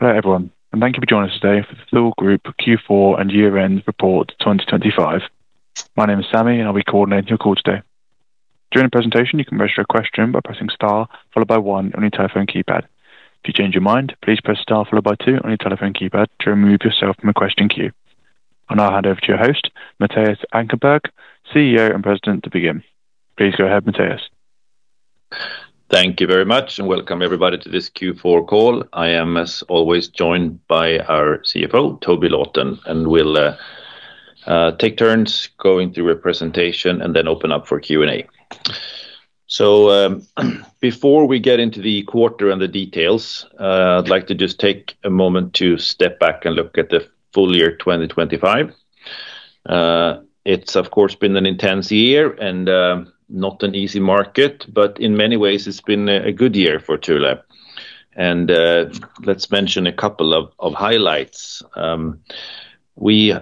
Hello everyone, and thank you for joining us today for the Thule Group Q4 and Year-End Report 2025. My name is Sammy, and I'll be coordinating your call today. During the presentation, you can register a question by pressing star followed by one on your telephone keypad. If you change your mind, please press star followed by two on your telephone keypad to remove yourself from the question queue. I'll now hand over to your host, Mattias Ankarberg, CEO and President, to begin. Please go ahead, Mattias. Thank you very much, and welcome everybody to this Q4 call. I am, as always, joined by our CFO, Toby Lawton, and we'll take turns going through a presentation and then open up for Q&A. Before we get into the quarter and the details, I'd like to just take a moment to step back and look at the full year 2025. It's, of course, been an intense year and not an easy market, but in many ways it's been a good year for Thule. Let's mention a couple of highlights. Thule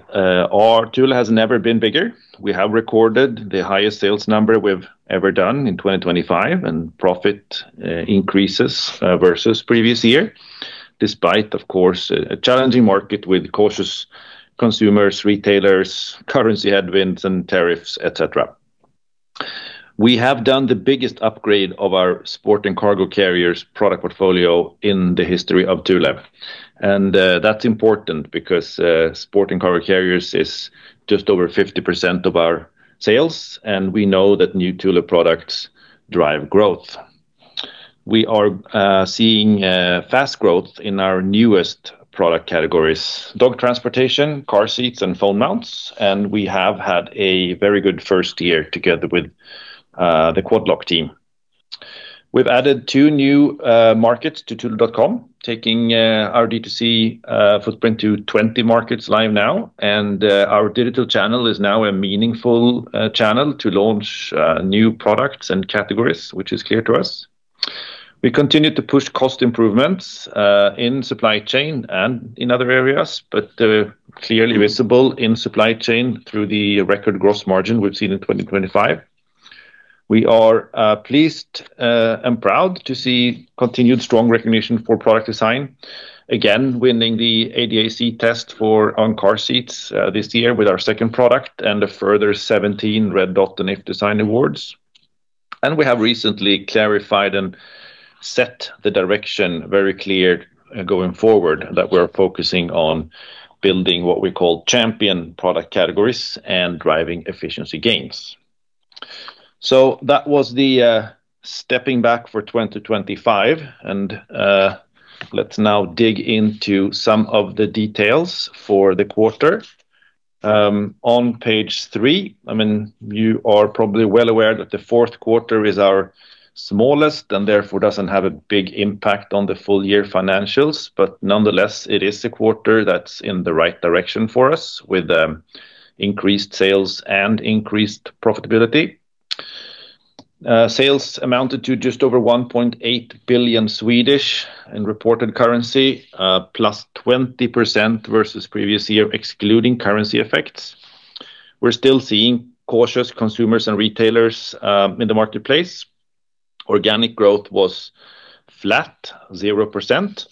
has never been bigger. We have recorded the highest sales number we've ever done in 2025, and profit increases versus previous year, despite, of course, a challenging market with cautious consumers, retailers, currency headwinds, and tariffs, et cetera. We have done the biggest upgrade of our Sport and Cargo Carriers product portfolio in the history of Thule. That's important because Sport & Cargo Carriers is just over 50% of our sales, and we know that new Thule products drive growth. We are seeing fast growth in our newest product categories: dog transportation, car seats, and phone mounts, and we have had a very good first year together with the Quad Lock team. We've added two new markets to Thule.com, taking our D2C footprint to 20 markets live now, and our digital channel is now a meaningful channel to launch new products and categories, which is clear to us. We continue to push cost improvements in supply chain and in other areas, but clearly visible in supply chain through the record gross margin we've seen in 2025. We are pleased and proud to see continued strong recognition for product design, again winning the ADAC test on car seats this year with our second product and a further 17 Red Dot and iF Design Awards. We have recently clarified and set the direction very clear going forward that we're focusing on building what we call champion product categories and driving efficiency gains. That was the stepping back for 2025, and let's now dig into some of the details for the quarter. On page three, I mean, you are probably well aware that the fourth quarter is our smallest and therefore doesn't have a big impact on the full year financials, but nonetheless, it is a quarter that's in the right direction for us with increased sales and increased profitability. Sales amounted to just over 1.8 billion in reported currency, +20% versus previous year excluding currency effects. We're still seeing cautious consumers and retailers in the marketplace. Organic growth was flat, 0%.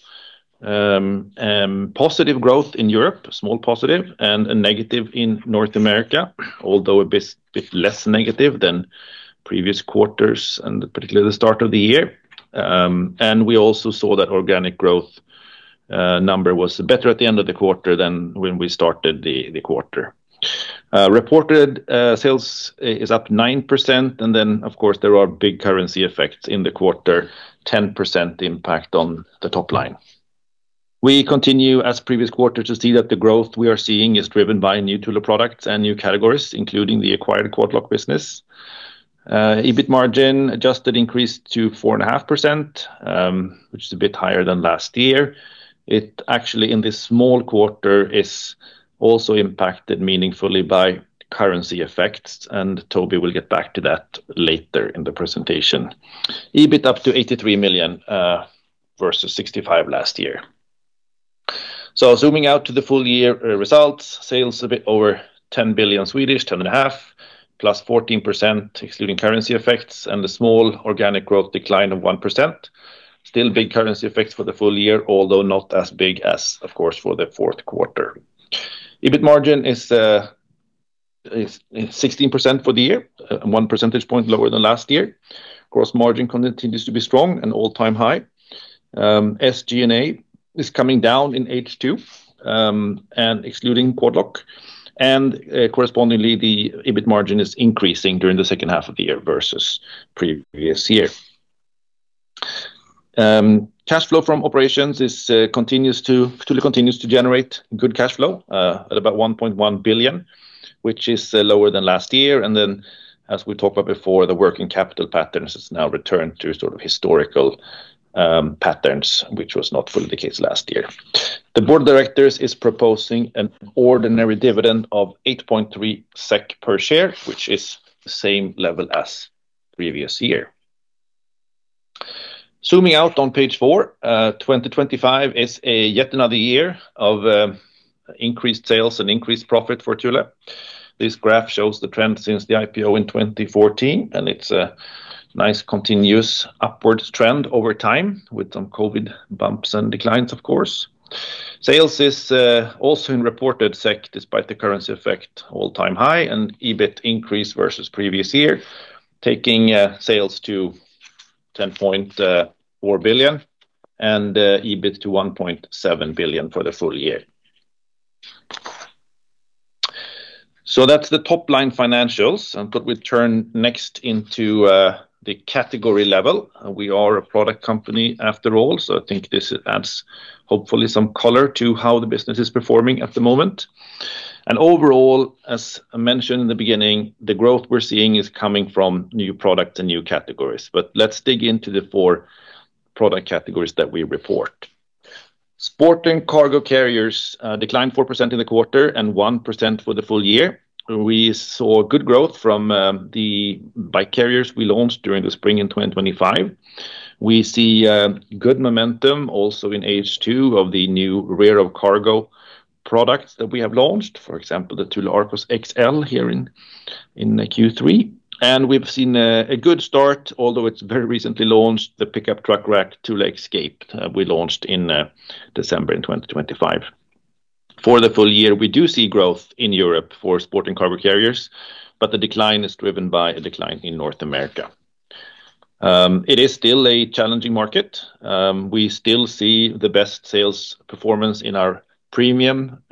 Positive growth in Europe, small positive, and a negative in North America, although a bit less negative than previous quarters and particularly the start of the year. And we also saw that organic growth number was better at the end of the quarter than when we started the quarter. Reported sales is up 9%, and then, of course, there are big currency effects in the quarter, 10% impact on the top line. We continue, as previous quarter, to see that the growth we are seeing is driven by new Thule products and new categories, including the acquired Quad Lock business. EBIT margin adjusted increased to 4.5%, which is a bit higher than last year. It actually, in this fourth quarter, is also impacted meaningfully by currency effects, and Toby will get back to that later in the presentation. EBIT up to 83 million versus 65 million last year. So zooming out to the full year results, sales a bit over 10.5 billion, +14% excluding currency effects, and a small organic growth decline of 1%. Still big currency effects for the full year, although not as big as, of course, for the fourth quarter. EBIT margin is 16% for the year, one percentage point lower than last year. Gross margin continues to be strong and all-time high. SG&A is coming down in H2 and excluding Quad Lock, and correspondingly, the EBIT margin is increasing during the second half of the year versus previous year. Cash flow from operations continues to generate good cash flow at about 1.1 billion, which is lower than last year. And then, as we talked about before, the working capital patterns have now returned to sort of historical patterns, which was not fully the case last year. The board of directors is proposing an ordinary dividend of 8.3 SEK per share, which is the same level as previous year. Zooming out on page four, 2025 is yet another year of increased sales and increased profit for Thule. This graph shows the trend since the IPO in 2014, and it's a nice continuous upward trend over time with some COVID bumps and declines, of course. Sales is also in reported SEK despite the currency effect all-time high and EBIT increase versus previous year, taking sales to 10.4 billion and EBIT to 1.7 billion for the full year. So that's the top line financials, but we turn next into the category level. We are a product company after all, so I think this adds hopefully some color to how the business is performing at the moment. And overall, as mentioned in the beginning, the growth we're seeing is coming from new products and new categories. But let's dig into the four product categories that we report. Sport & Cargo Carriers declined 4% in the quarter and 1% for the full year. We saw good growth from the bike carriers we launched during the spring in 2025. We see good momentum also in H2 of the new rear-of-car products that we have launched, for example, the Thule Arcos XL here in Q3. And we've seen a good start, although it's very recently launched, the pickup truck rack Thule Xscape we launched in December in 2025. For the full year, we do see growth in Europe for Sport & Cargo Carriers, but the decline is driven by a decline in North America. It is still a challenging market. We still see the best sales performance in our premium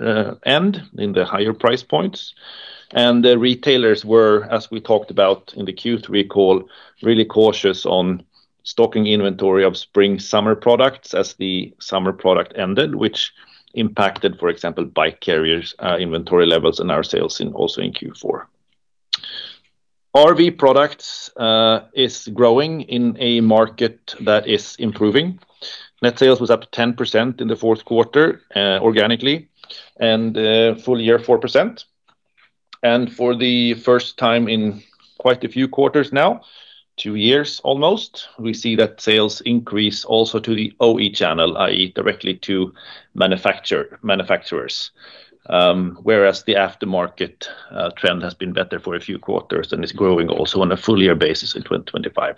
end, in the higher price points. The retailers were, as we talked about in the Q3 call, really cautious on stocking inventory of spring/summer products as the summer product ended, which impacted, for example, bike carriers' inventory levels and our sales also in Q4. RV Products are growing in a market that is improving. Net sales was up 10% in the fourth quarter organically and full year 4%. For the first time in quite a few quarters now, two years almost, we see that sales increase also to the OE channel, i.e., directly to manufacturers, whereas the aftermarket trend has been better for a few quarters and is growing also on a full year basis in 2025.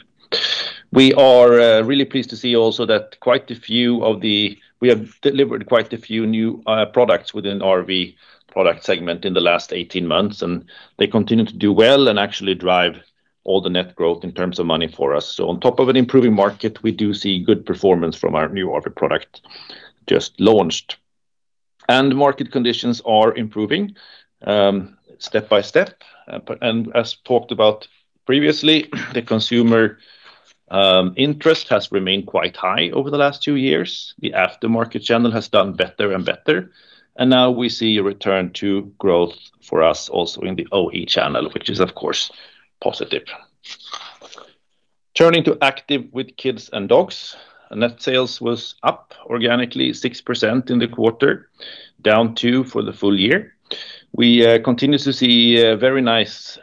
We are really pleased to see also that quite a few, we have delivered quite a few new products within RV product segment in the last 18 months, and they continue to do well and actually drive all the net growth in terms of money for us. So on top of an improving market, we do see good performance from our new RV product just launched. And market conditions are improving step by step. And as talked about previously, the consumer interest has remained quite high over the last two years. The aftermarket channel has done better and better, and now we see a return to growth for us also in the OE channel, which is, of course, positive. Turning to Active with Kids & Dogs, net sales was up organically 6% in the quarter, down 2% for the full year. We continue to see very nice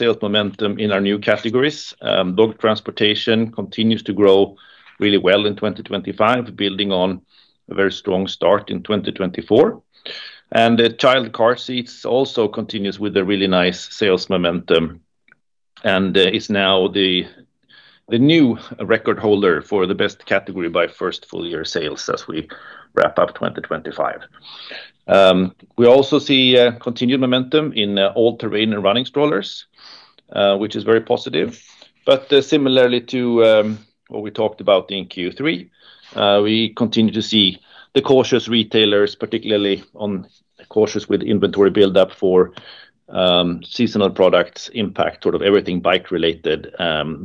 sales momentum in our new categories. Dog transportation continues to grow really well in 2025, building on a very strong start in 2024. And child car seats also continues with a really nice sales momentum and is now the new record holder for the best category by first full year sales as we wrap up 2025. We also see continued momentum in all-terrain running strollers, which is very positive. Similarly to what we talked about in Q3, we continue to see the cautious retailers, particularly cautious with inventory buildup for seasonal products, impact sort of everything bike-related,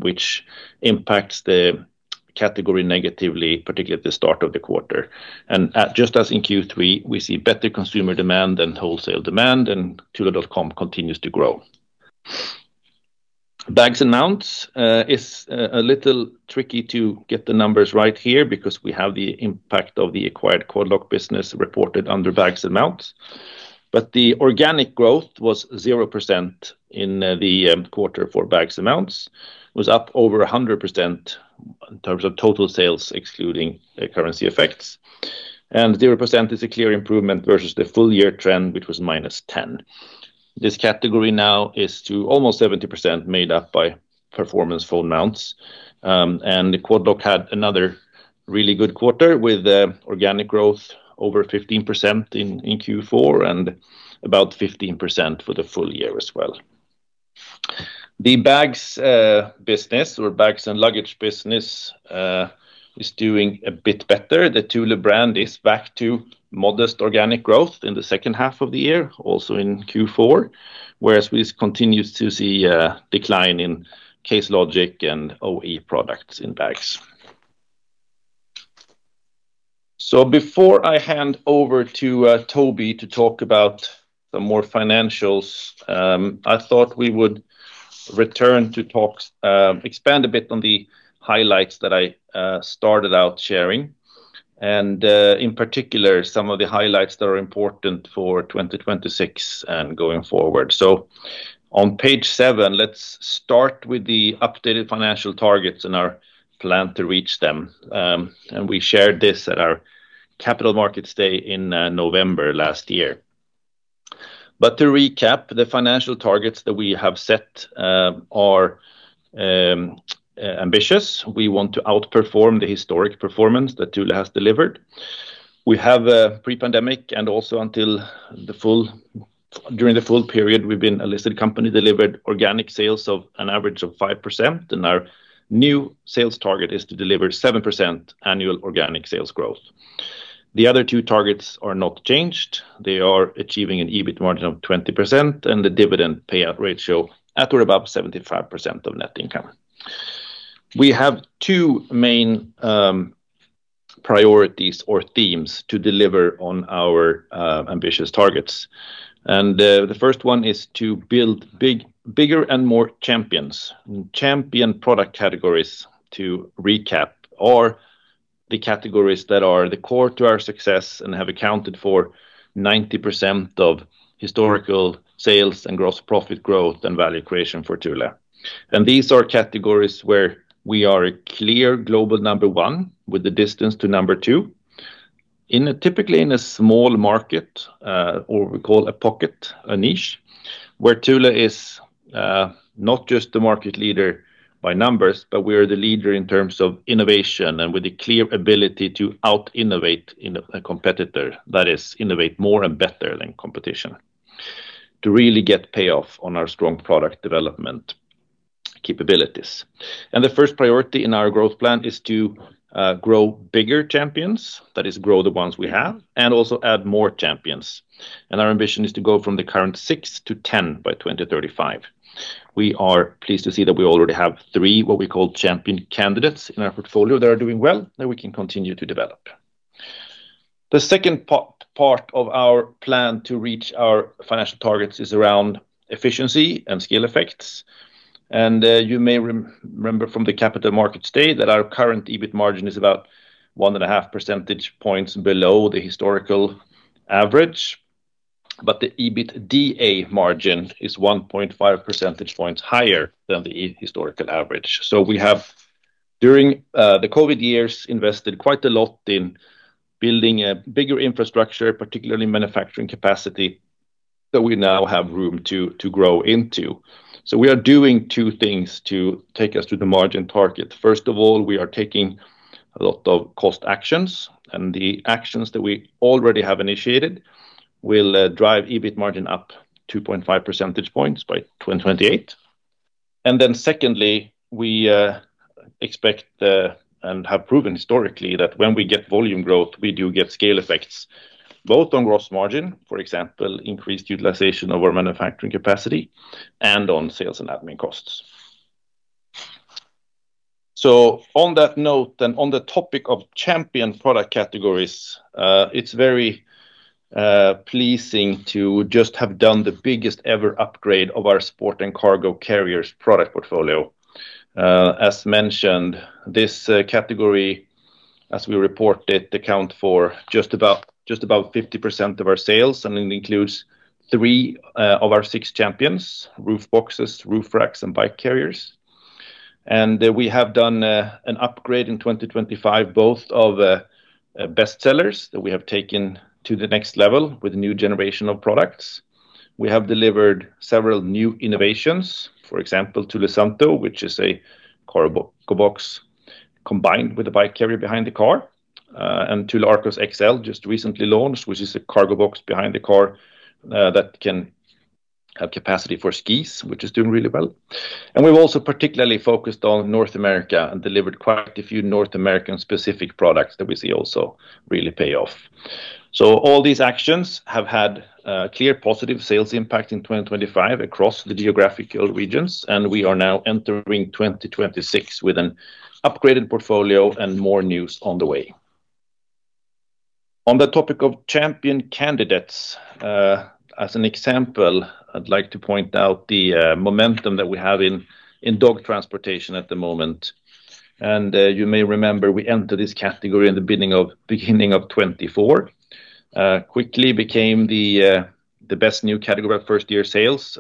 which impacts the category negatively, particularly at the start of the quarter. Just as in Q3, we see better consumer demand than wholesale demand, and Thule.com continues to grow. Bags & Mounts is a little tricky to get the numbers right here because we have the impact of the acquired Quad Lock business reported under Bags & Mounts. The organic growth was 0% in the quarter for Bags & Mounts, was up over 100% in terms of total sales excluding currency effects. 0% is a clear improvement versus the full year trend, which was -10%. This category now is up to almost 70% made up by performance phone mounts. Quad Lock had another really good quarter with organic growth over 15% in Q4 and about 15% for the full year as well. The bags business or bags and luggage business is doing a bit better. The Thule brand is back to modest organic growth in the second half of the year, also in Q4, whereas we continue to see a decline in Case Logic and OE products in bags. So before I hand over to Toby to talk about some more financials, I thought we would return to talk, expand a bit on the highlights that I started out sharing, and in particular, some of the highlights that are important for 2026 and going forward. So on page seven, let's start with the updated financial targets and our plan to reach them. We shared this at our Capital Markets Day in November last year. To recap, the financial targets that we have set are ambitious. We want to outperform the historic performance that Thule has delivered. We have, pre-pandemic and also during the full period we've been a listed company, delivered organic sales of an average of 5%, and our new sales target is to deliver 7% annual organic sales growth. The other two targets are not changed. They are achieving an EBIT margin of 20% and the dividend payout ratio at or above 75% of net income. We have two main priorities or themes to deliver on our ambitious targets. The first one is to build bigger and more champions. Champion product categories, to recap, are the categories that are the core to our success and have accounted for 90% of historical sales and gross profit growth and value creation for Thule. These are categories where we are a clear global number one with the distance to number two, typically in a small market or we call a pocket, a niche, where Thule is not just the market leader by numbers, but we are the leader in terms of innovation and with the clear ability to out-innovate a competitor, that is, innovate more and better than competition, to really get payoff on our strong product development capabilities. The first priority in our growth plan is to grow bigger champions, that is, grow the ones we have, and also add more champions. Our ambition is to go from the current six to 10 by 2035. We are pleased to see that we already have three, what we call, champion candidates in our portfolio that are doing well that we can continue to develop. The second part of our plan to reach our financial targets is around efficiency and scale effects. You may remember from the Capital Markets Day that our current EBIT margin is about 1.5 percentage points below the historical average, but the EBITDA margin is 1.5 percentage points higher than the historical average. So we have, during the COVID years, invested quite a lot in building a bigger infrastructure, particularly manufacturing capacity, that we now have room to grow into. So we are doing two things to take us to the margin target. First of all, we are taking a lot of cost actions, and the actions that we already have initiated will drive EBIT margin up 2.5 percentage points by 2028. And then secondly, we expect and have proven historically that when we get volume growth, we do get scale effects, both on gross margin, for example, increased utilization of our manufacturing capacity, and on sales and admin costs. So on that note and on the topic of champion product categories, it's very pleasing to just have done the biggest ever upgrade of our Sport & Cargo Carriers product portfolio. As mentioned, this category, as we report it, accounts for just about 50% of our sales, and it includes three of our six champions, roof boxes, roof racks, and bike carriers. And we have done an upgrade in 2025, both of bestsellers that we have taken to the next level with a new generation of products. We have delivered several new innovations, for example, Thule Santu, which is a cargo box combined with a bike carrier behind the car, and Thule Arcos XL just recently launched, which is a cargo box behind the car that can have capacity for skis, which is doing really well. We've also particularly focused on North America and delivered quite a few North American-specific products that we see also really pay off. All these actions have had clear positive sales impact in 2025 across the geographical regions, and we are now entering 2026 with an upgraded portfolio and more news on the way. On the topic of champion candidates, as an example, I'd like to point out the momentum that we have in dog transportation at the moment. You may remember we entered this category in the beginning of 2024, quickly became the best new category of first-year sales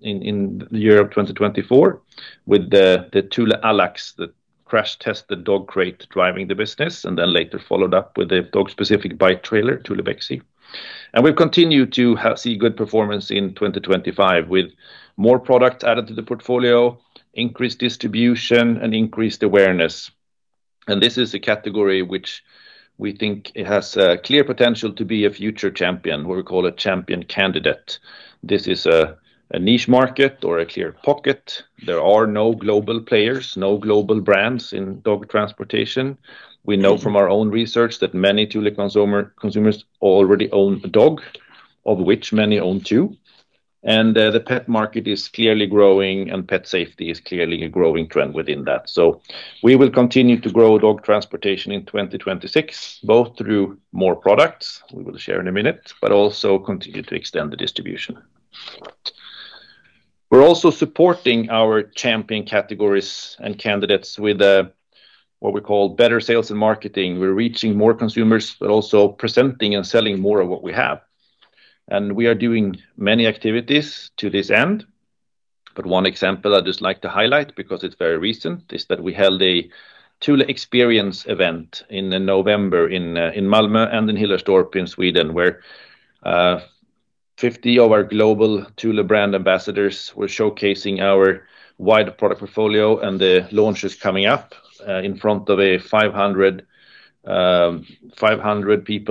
in the year of 2024 with the Thule Allax, the crash-tested dog crate driving the business, and then later followed up with the dog-specific bike trailer, Thule Bexey. We've continued to see good performance in 2025 with more products added to the portfolio, increased distribution, and increased awareness. This is a category which we think has clear potential to be a future champion, what we call a champion candidate. This is a niche market or a clear pocket. There are no global players, no global brands in dog transportation. We know from our own research that many Thule consumers already own a dog, of which many own two. The pet market is clearly growing, and pet safety is clearly a growing trend within that. So we will continue to grow dog transportation in 2026, both through more products we will share in a minute, but also continue to extend the distribution. We're also supporting our champion categories and candidates with what we call better sales and marketing. We're reaching more consumers, but also presenting and selling more of what we have. And we are doing many activities to this end. But one example I'd just like to highlight because it's very recent is that we held a Thule Experience event in November in Malmö and in Hillerstorp in Sweden, where 50 of our global Thule brand ambassadors were showcasing our wide product portfolio and the launches coming up in front of a 500-person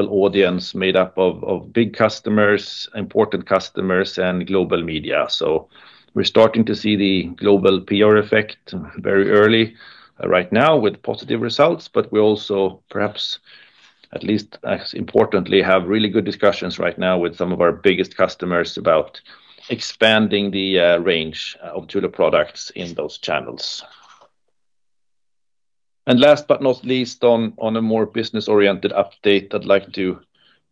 audience made up of big customers, important customers, and global media. So we're starting to see the global PR effect very early right now with positive results, but we also, perhaps at least as importantly, have really good discussions right now with some of our biggest customers about expanding the range of Thule products in those channels. And last but not least, on a more business-oriented update, I'd like to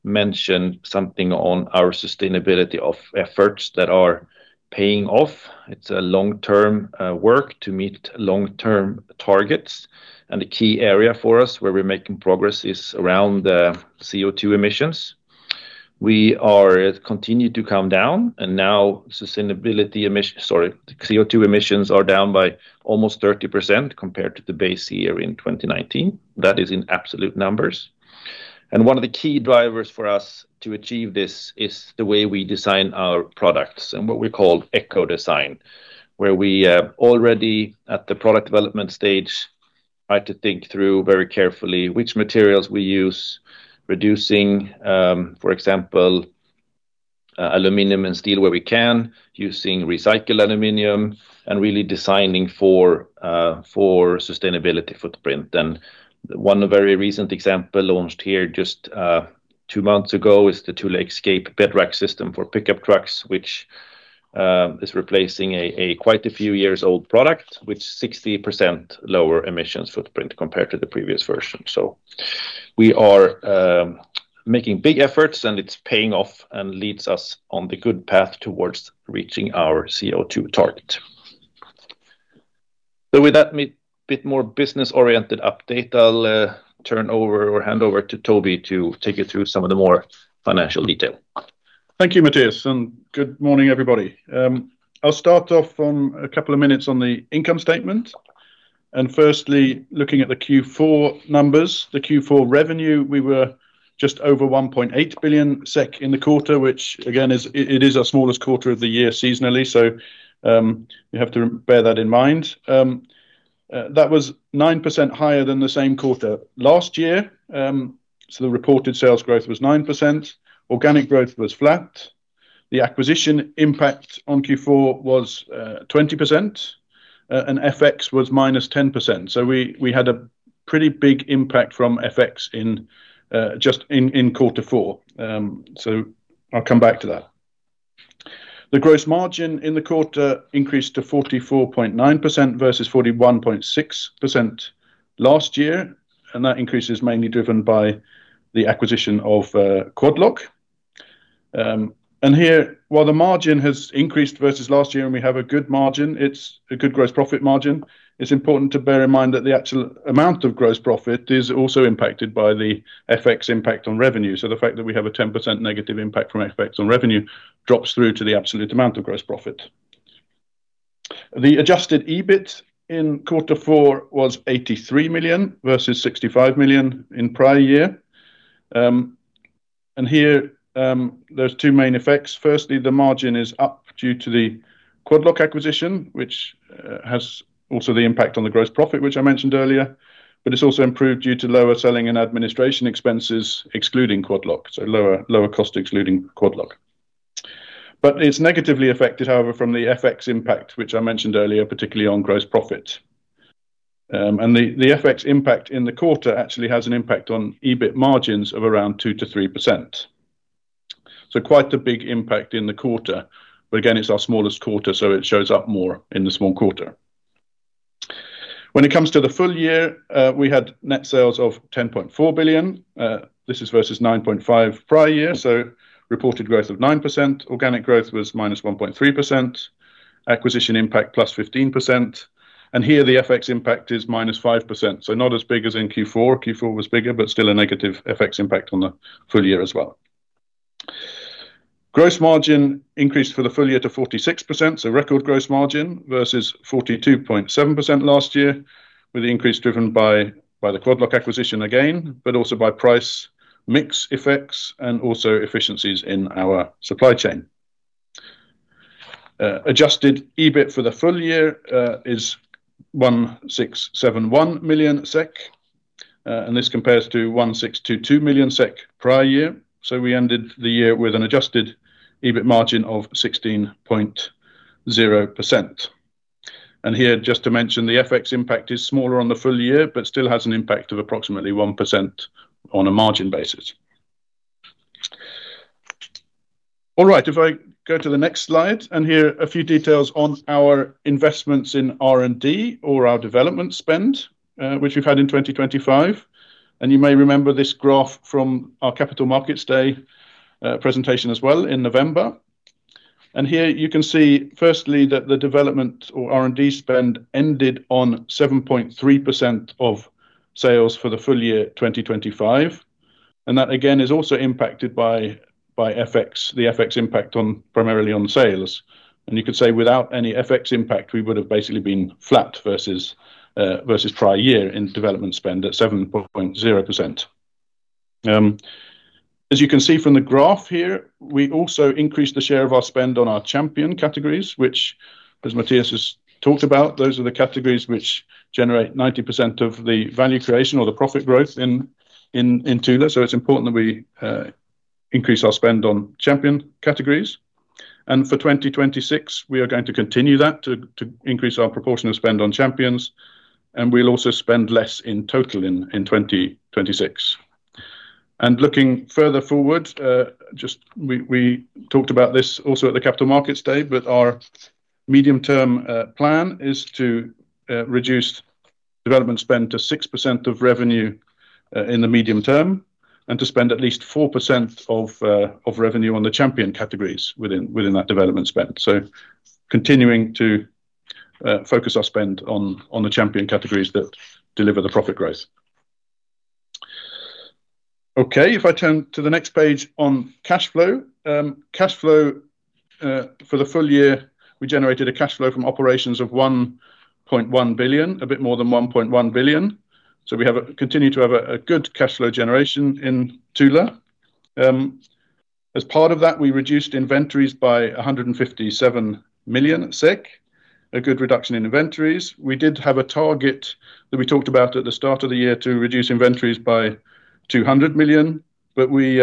mention something on our sustainability efforts that are paying off. It's a long-term work to meet long-term targets. And a key area for us where we're making progress is around the CO2 emissions. We continue to come down, and now sustainability emissions, sorry, the CO2 emissions are down by almost 30% compared to the base year in 2019. That is in absolute numbers. One of the key drivers for us to achieve this is the way we design our products and what we call eco-design, where we already, at the product development stage, try to think through very carefully which materials we use, reducing, for example, aluminum and steel where we can, using recycled aluminum, and really designing for sustainability footprint. One very recent example launched here just two months ago is the Thule Xscape bed rack system for pickup trucks, which is replacing a quite a few years old product with 60% lower emissions footprint compared to the previous version. We are making big efforts, and it's paying off and leads us on the good path towards reaching our CO2 target. With that bit more business-oriented update, I'll turn over or hand over to Toby to take you through some of the more financial detail. Thank you, Mattias, and good morning, everybody. I'll start off from a couple of minutes on the income statement. Firstly, looking at the Q4 numbers, the Q4 revenue, we were just over 1.8 billion SEK in the quarter, which, again, it is our smallest quarter of the year seasonally, so you have to bear that in mind. That was 9% higher than the same quarter last year. The reported sales growth was 9%. Organic growth was flat. The acquisition impact on Q4 was 20%, and FX was minus 10%. We had a pretty big impact from FX just in quarter four. I'll come back to that. The gross margin in the quarter increased to 44.9% versus 41.6% last year, and that increase is mainly driven by the acquisition of Quad Lock. Here, while the margin has increased versus last year and we have a good margin, it's a good gross profit margin, it's important to bear in mind that the actual amount of gross profit is also impacted by the FX impact on revenue. So the fact that we have a 10% negative impact from FX on revenue drops through to the absolute amount of gross profit. The adjusted EBIT in quarter four was 83 million versus 65 million in prior year. And here, there's two main effects. Firstly, the margin is up due to the Quad Lock acquisition, which has also the impact on the gross profit, which I mentioned earlier, but it's also improved due to lower selling and administration expenses excluding Quad Lock, so lower cost excluding Quad Lock. But it's negatively affected, however, from the FX impact, which I mentioned earlier, particularly on gross profit. The FX impact in the quarter actually has an impact on EBIT margins of around 2%-3%. Quite the big impact in the quarter, but again, it's our smallest quarter, so it shows up more in the small quarter. When it comes to the full year, we had net sales of 10.4 billion. This is versus 9.5 billion prior year, so reported growth of 9%. Organic growth was -1.3%. Acquisition impact +15%. Here, the FX impact is -5%, so not as big as in Q4. Q4 was bigger, but still a negative FX impact on the full year as well. Gross margin increased for the full year to 46%, so record gross margin versus 42.7% last year, with the increase driven by the Quad Lock acquisition again, but also by price mix effects and also efficiencies in our supply chain. Adjusted EBIT for the full year is 1,671 million SEK, and this compares to 1,622 million SEK prior year. So we ended the year with an adjusted EBIT margin of 16.0%. And here, just to mention, the FX impact is smaller on the full year, but still has an impact of approximately 1% on a margin basis. All right, if I go to the next slide and here a few details on our investments in R&D or our development spend, which we've had in 2025. And you may remember this graph from our Capital Markets Day presentation as well in November. And here, you can see, firstly, that the development or R&D spend ended on 7.3% of sales for the full year 2025. And that, again, is also impacted by the FX impact primarily on sales. You could say without any FX impact, we would have basically been flat versus prior year in development spend at 7.0%. As you can see from the graph here, we also increased the share of our spend on our champion categories, which, as Mattias has talked about, those are the categories which generate 90% of the value creation or the profit growth in Thule. It's important that we increase our spend on champion categories. For 2026, we are going to continue that to increase our proportion of spend on champions, and we'll also spend less in total in 2026. Looking further forward, we talked about this also at the Capital Markets Day, but our medium-term plan is to reduce development spend to 6% of revenue in the medium term and to spend at least 4% of revenue on the champion categories within that development spend. So continuing to focus our spend on the champion categories that deliver the profit growth. Okay, if I turn to the next page on cash flow, cash flow for the full year, we generated a cash flow from operations of 1.1 billion, a bit more than 1.1 billion. So we continue to have a good cash flow generation in Thule. As part of that, we reduced inventories by 157 million SEK, a good reduction in inventories. We did have a target that we talked about at the start of the year to reduce inventories by 200 million, but we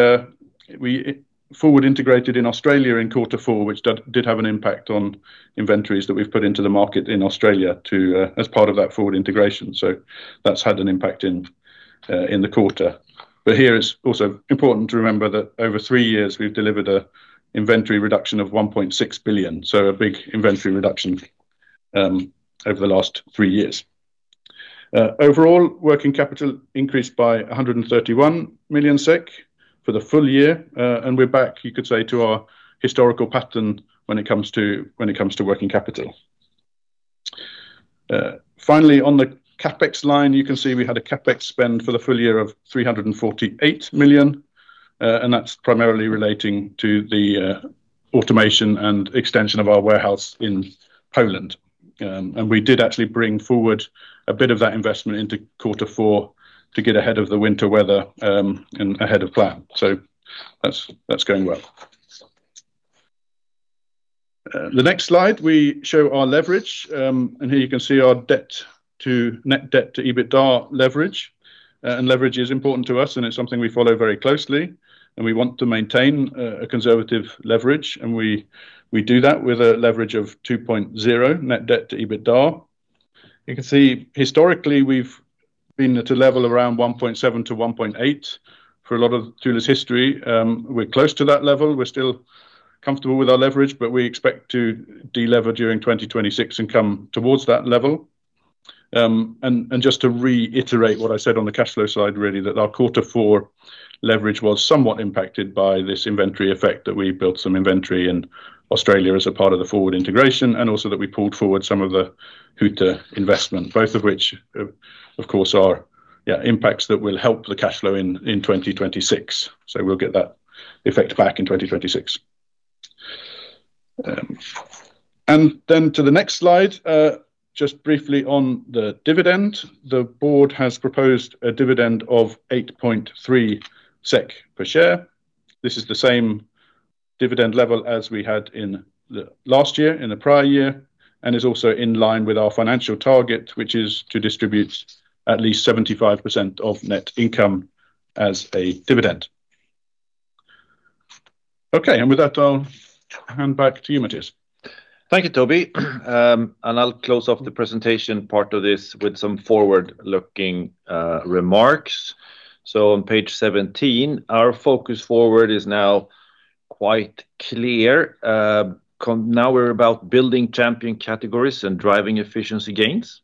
forward integrated in Australia in quarter four, which did have an impact on inventories that we've put into the market in Australia as part of that forward integration. So that's had an impact in the quarter. Here, it's also important to remember that over three years, we've delivered an inventory reduction of 1.6 billion, so a big inventory reduction over the last three years. Overall, working capital increased by 131 million SEK for the full year, and we're back, you could say, to our historical pattern when it comes to working capital. Finally, on the CapEx line, you can see we had a CapEx spend for the full year of 348 million, and that's primarily relating to the automation and extension of our warehouse in Poland. We did actually bring forward a bit of that investment into quarter four to get ahead of the winter weather and ahead of plan. That's going well. The next slide, we show our leverage. Here, you can see our net debt-to-EBITDA leverage. Leverage is important to us, and it's something we follow very closely. We want to maintain a conservative leverage, and we do that with a leverage of 2.0 net debt-to-EBITDA. You can see, historically, we've been at a level around 1.7-1.8 for a lot of Thule's history. We're close to that level. We're still comfortable with our leverage, but we expect to delever during 2026 and come towards that level. Just to reiterate what I said on the cash flow side, really, that our quarter four leverage was somewhat impacted by this inventory effect that we built some inventory in Australia as a part of the forward integration, and also that we pulled forward some of the Huta investment, both of which, of course, are impacts that will help the cash flow in 2026. We'll get that effect back in 2026. And then to the next slide, just briefly on the dividend, the board has proposed a dividend of 8.3 SEK per share. This is the same dividend level as we had last year in the prior year and is also in line with our financial target, which is to distribute at least 75% of net income as a dividend. Okay, and with that, I'll hand back to you, Mattias. Thank you, Toby. I'll close off the presentation part of this with some forward-looking remarks. On page 17, our focus forward is now quite clear. Now we're about building champion categories and driving efficiency gains.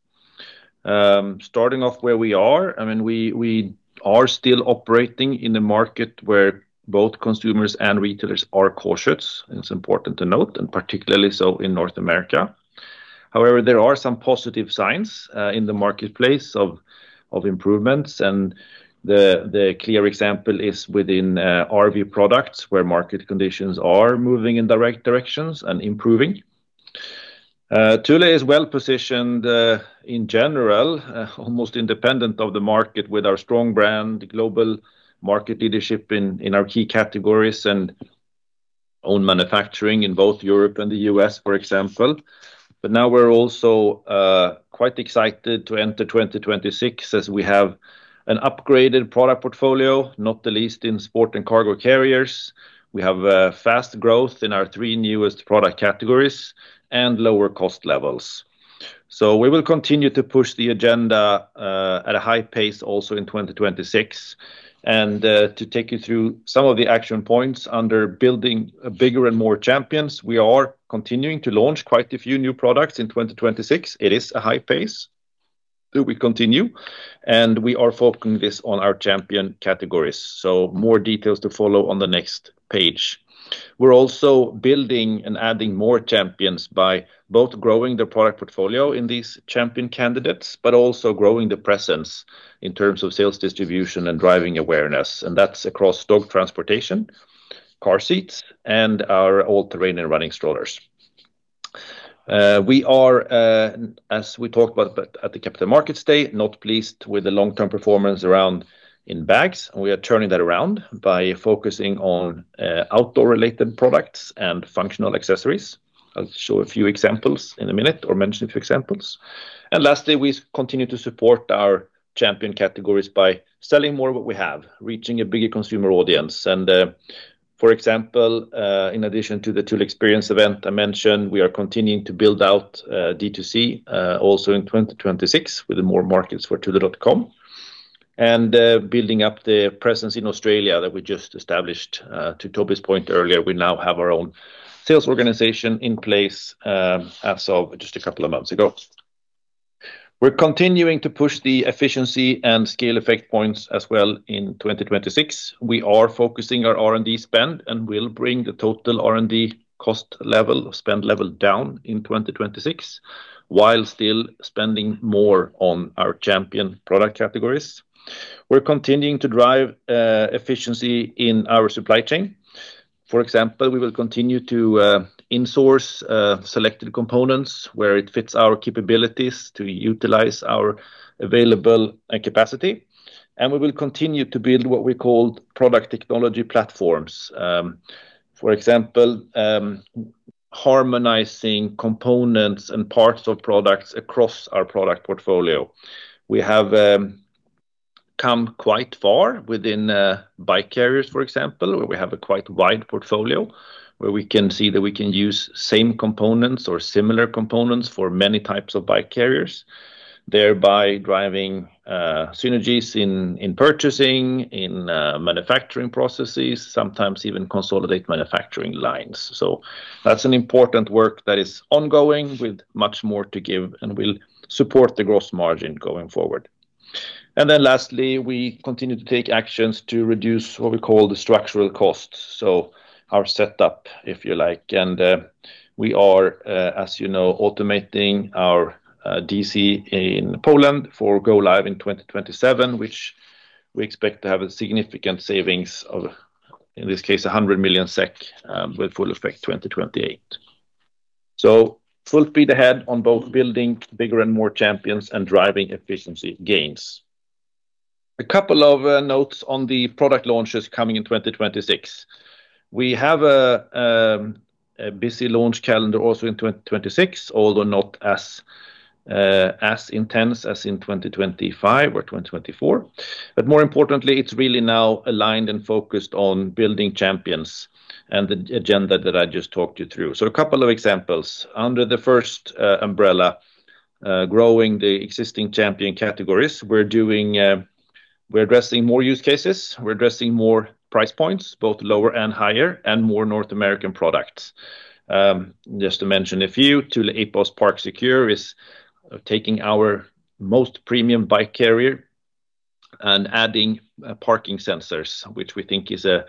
Starting off where we are, I mean, we are still operating in a market where both consumers and retailers are cautious, and it's important to note, and particularly so in North America. However, there are some positive signs in the marketplace of improvements, and the clear example is within RV Products where market conditions are moving in direct directions and improving. Thule is well positioned in general, almost independent of the market, with our strong brand, global market leadership in our key categories, and own manufacturing in both Europe and the U.S., for example. But now we're also quite excited to enter 2026 as we have an upgraded product portfolio, not the least in Sport & Cargo Carriers. We have fast growth in our three newest product categories and lower cost levels. We will continue to push the agenda at a high pace also in 2026. To take you through some of the action points under building bigger and more champions, we are continuing to launch quite a few new products in 2026. It is a high pace, so we continue. We are focusing this on our champion categories, so more details to follow on the next page. We're also building and adding more champions by both growing the product portfolio in these champion candidates, but also growing the presence in terms of sales distribution and driving awareness. That's across dog transportation, car seats, and our all-terrain and running strollers. We are, as we talked about at the Capital Markets Day, not pleased with the long-term performance around in bags. We are turning that around by focusing on outdoor-related products and functional accessories. I'll show a few examples in a minute or mention a few examples. Lastly, we continue to support our champion categories by selling more of what we have, reaching a bigger consumer audience. For example, in addition to the Thule Experience event I mentioned, we are continuing to build out D2C also in 2026 with more markets for thule.com and building up the presence in Australia that we just established. To Toby's point earlier, we now have our own sales organization in place as of just a couple of months ago. We're continuing to push the efficiency and scale effect points as well in 2026. We are focusing our R&D spend and will bring the total R&D cost level, spend level down in 2026 while still spending more on our champion product categories. We're continuing to drive efficiency in our supply chain. For example, we will continue to insource selected components where it fits our capabilities to utilize our available capacity. We will continue to build what we call product technology platforms. For example, harmonizing components and parts of products across our product portfolio. We have come quite far within bike carriers, for example, where we have a quite wide portfolio where we can see that we can use same components or similar components for many types of bike carriers, thereby driving synergies in purchasing, in manufacturing processes, sometimes even consolidate manufacturing lines. That's an important work that is ongoing with much more to give and will support the gross margin going forward. Then lastly, we continue to take actions to reduce what we call the structural costs, so our setup, if you like. We are, as you know, automating our DC in Poland for go-live in 2027, which we expect to have significant savings of, in this case, 100 million SEK with full effect 2028. So full speed ahead on both building bigger and more champions and driving efficiency gains. A couple of notes on the product launches coming in 2026. We have a busy launch calendar also in 2026, although not as intense as in 2025 or 2024. But more importantly, it's really now aligned and focused on building champions and the agenda that I just talked you through. So a couple of examples. Under the first umbrella, growing the existing champion categories, we're addressing more use cases. We're addressing more price points, both lower and higher, and more North American products. Just to mention a few, Thule Epos Park Secure is taking our most premium bike carrier and adding parking sensors, which we think is a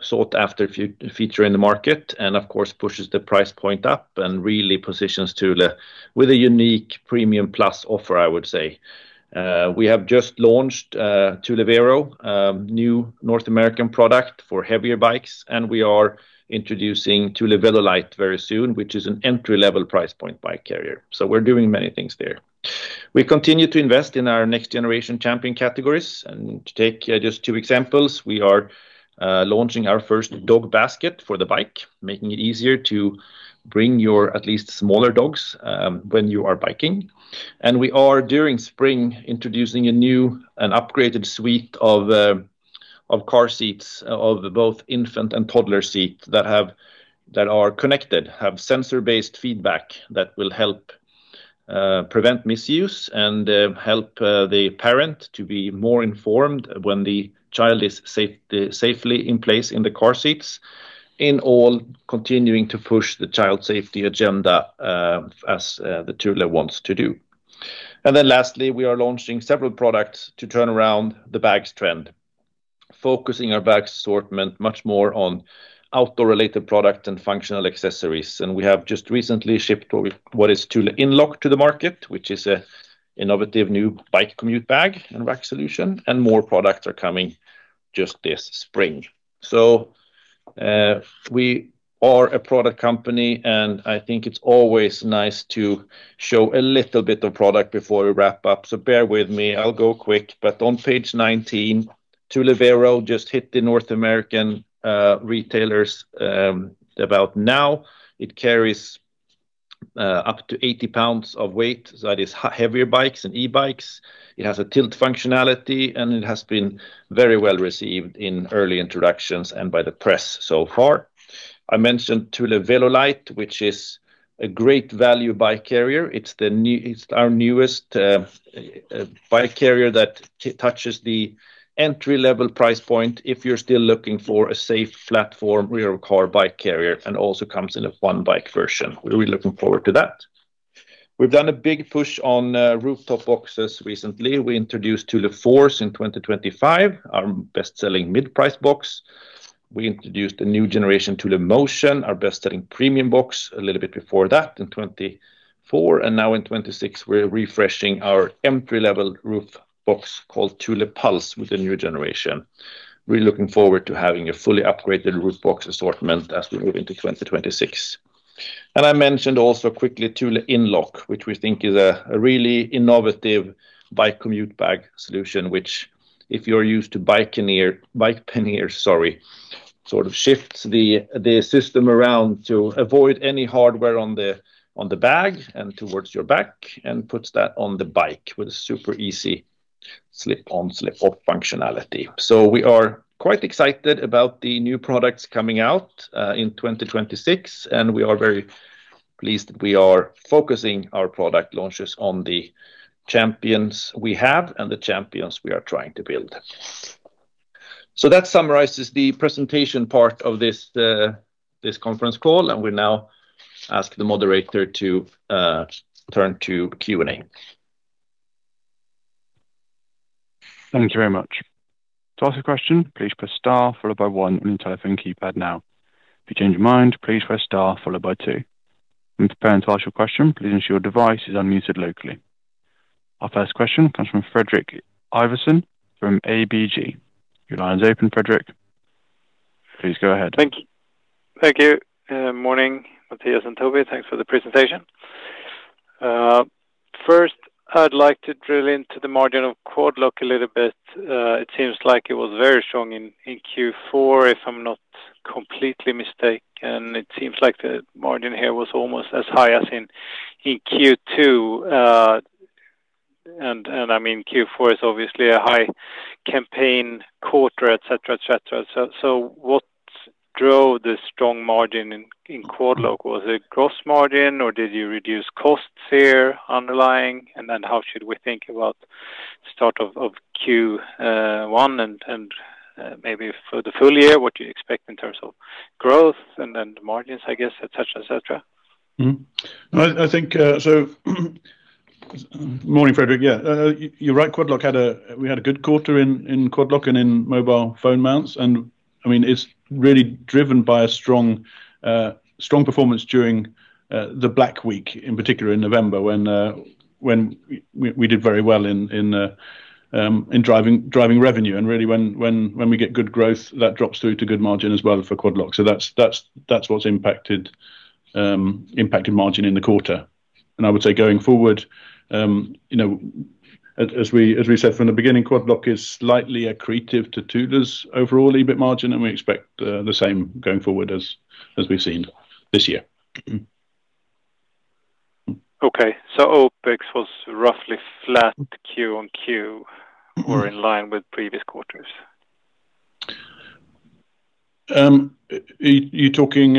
sought-after feature in the market and, of course, pushes the price point up and really positions Thule with a unique premium plus offer, I would say. We have just launched Thule Vero, new North American product for heavier bikes, and we are introducing Thule VeloLite very soon, which is an entry-level price point bike carrier. So we're doing many things there. We continue to invest in our next-generation champion categories. And to take just two examples, we are launching our first dog basket for the bike, making it easier to bring your at least smaller dogs when you are biking. And we are, during spring, introducing an upgraded suite of car seats, of both infant and toddler seats, that are connected, have sensor-based feedback that will help prevent misuse and help the parent to be more informed when the child is safely in place in the car seats, continuing to push the child safety agenda as the Thule wants to do. And then lastly, we are launching several products to turn around the bags trend, focusing our bags assortment much more on outdoor-related products and functional accessories. And we have just recently shipped what is Thule InLock to the market, which is an innovative new bike commute bag and rack solution, and more products are coming just this spring. So we are a product company, and I think it's always nice to show a little bit of product before we wrap up. So bear with me. I'll go quick. On page 19, Thule Vero just hit the North American retailers about now. It carries up to 80 lbs of weight. So that is heavier bikes and e-bikes. It has a tilt functionality, and it has been very well received in early introductions and by the press so far. I mentioned Thule VeloLite, which is a great value bike carrier. It's our newest bike carrier that touches the entry-level price point if you're still looking for a safe platform rear-car bike carrier and also comes in a one-bike version. We're really looking forward to that. We've done a big push on rooftop boxes recently. We introduced Thule Force in 2025, our best-selling mid-price box. We introduced a new generation Thule Motion, our best-selling premium box, a little bit before that in 2024. And now in 2026, we're refreshing our entry-level roof box called Thule Pulse with the new generation. Really looking forward to having a fully upgraded roof box assortment as we move into 2026. And I mentioned also quickly Thule InLock, which we think is a really innovative bike commute bag solution, which, if you're used to bike pannier, sorry, sort of shifts the system around to avoid any hardware on the bag and towards your back and puts that on the bike with a super easy slip-on, slip-off functionality. So we are quite excited about the new products coming out in 2026, and we are very pleased that we are focusing our product launches on the champions we have and the champions we are trying to build. So that summarizes the presentation part of this conference call, and we now ask the moderator to turn to Q&A. Thank you very much. To ask a question, please press star followed by one on your telephone keypad now. If you change your mind, please press star followed by two. When preparing to ask your question, please ensure your device is unmuted locally. Our first question comes from Fredrik Ivarsson from ABG. Your line is open, Fredrik. Please go ahead. Thank you. Morning, Mattias and Toby. Thanks for the presentation. First, I'd like to drill into the margin of Quad Lock a little bit. It seems like it was very strong in Q4, if I'm not completely mistaken, and it seems like the margin here was almost as high as in Q2. And I mean, Q4 is obviously a high campaign quarter, et cetera, et cetera. So what drove the strong margin in Quad Lock? Was it gross margin, or did you reduce costs here underlying? And then how should we think about start of Q1 and maybe for the full year, what do you expect in terms of growth and then margins, I guess, et cetera, et cetera? Good morning, Fredrik. Yeah, you're right. We had a good quarter in Quad Lock and in mobile phone mounts. And I mean, it's really driven by a strong performance during the Black Week, in particular in November, when we did very well in driving revenue. And really, when we get good growth, that drops through to good margin as well for Quad Lock. So that's what's impacted margin in the quarter. And I would say going forward, as we said from the beginning, Quad Lock is slightly accretive to Thule's overall EBIT margin, and we expect the same going forward as we've seen this year. Okay. So OpEx was roughly flat quarter-on-quarter or in line with previous quarters? You're talking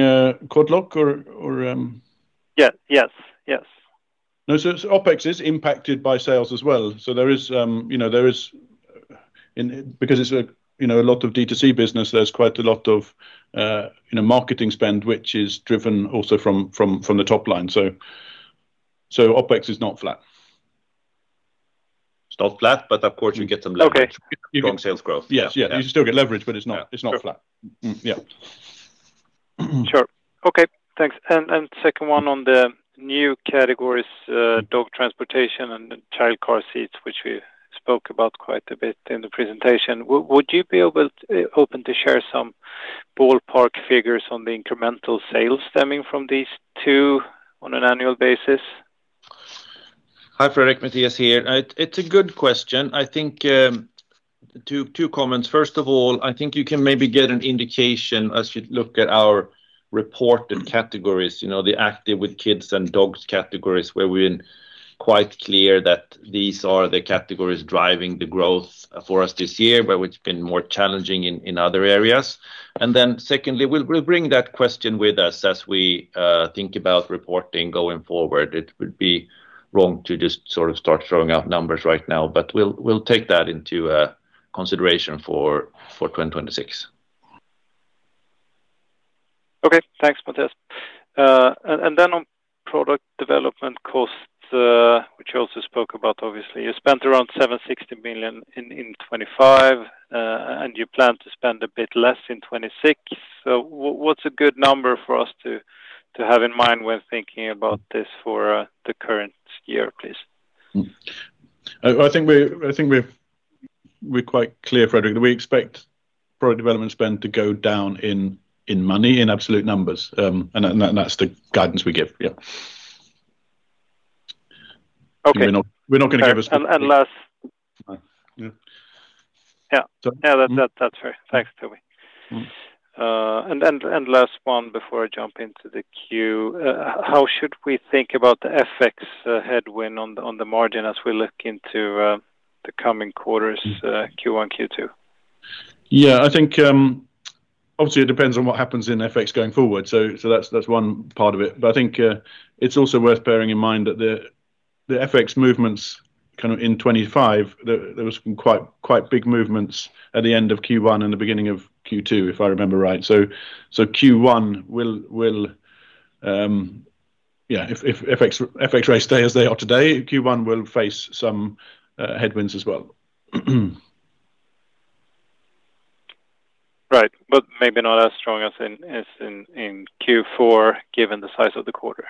Quad Lock, or? Yes. Yes. Yes. No, so OpEx is impacted by sales as well. So there is, because it's a lot of D2C business, there's quite a lot of marketing spend, which is driven also from the top line. So OpEx is not flat. It's not flat, but of course, you get some leverage from sales growth. Okay. Yes. Yeah. You still get leverage, but it's not flat. Yeah. Sure. Okay. Thanks. Second one on the new categories, dog transportation and child car seats, which we spoke about quite a bit in the presentation. Would you be open to share some ballpark figures on the incremental sales stemming from these two on an annual basis? Hi, Fredrik. Mattias here. It's a good question. I think two comments. First of all, I think you can maybe get an indication as you look at our reported categories, the Active with Kids and Dogs categories, where we're quite clear that these are the categories driving the growth for us this year, where it's been more challenging in other areas. And then secondly, we'll bring that question with us as we think about reporting going forward. It would be wrong to just sort of start throwing out numbers right now, but we'll take that into consideration for 2026. Okay. Thanks, Mattias. Then on product development costs, which you also spoke about, obviously, you spent around 760 million in 2025, and you plan to spend a bit less in 2026. So what's a good number for us to have in mind when thinking about this for the current year, please? I think we're quite clear, Fredrik. We expect product development spend to go down in money, in absolute numbers. That's the guidance we give. Yeah. We're not going to give us. Okay. Last. Yeah. Yeah. Yeah. That's fair. Thanks, Toby. And last one before I jump into the queue, how should we think about the FX headwind on the margin as we look into the coming quarters, Q1, Q2? Yeah. I think, obviously, it depends on what happens in FX going forward. So that's one part of it. But I think it's also worth bearing in mind that the FX movements kind of in 2025, there were some quite big movements at the end of Q1 and the beginning of Q2, if I remember right. So Q1, yeah, if FX rates stay as they are today, Q1 will face some headwinds as well. Right. But maybe not as strong as in Q4 given the size of the quarter.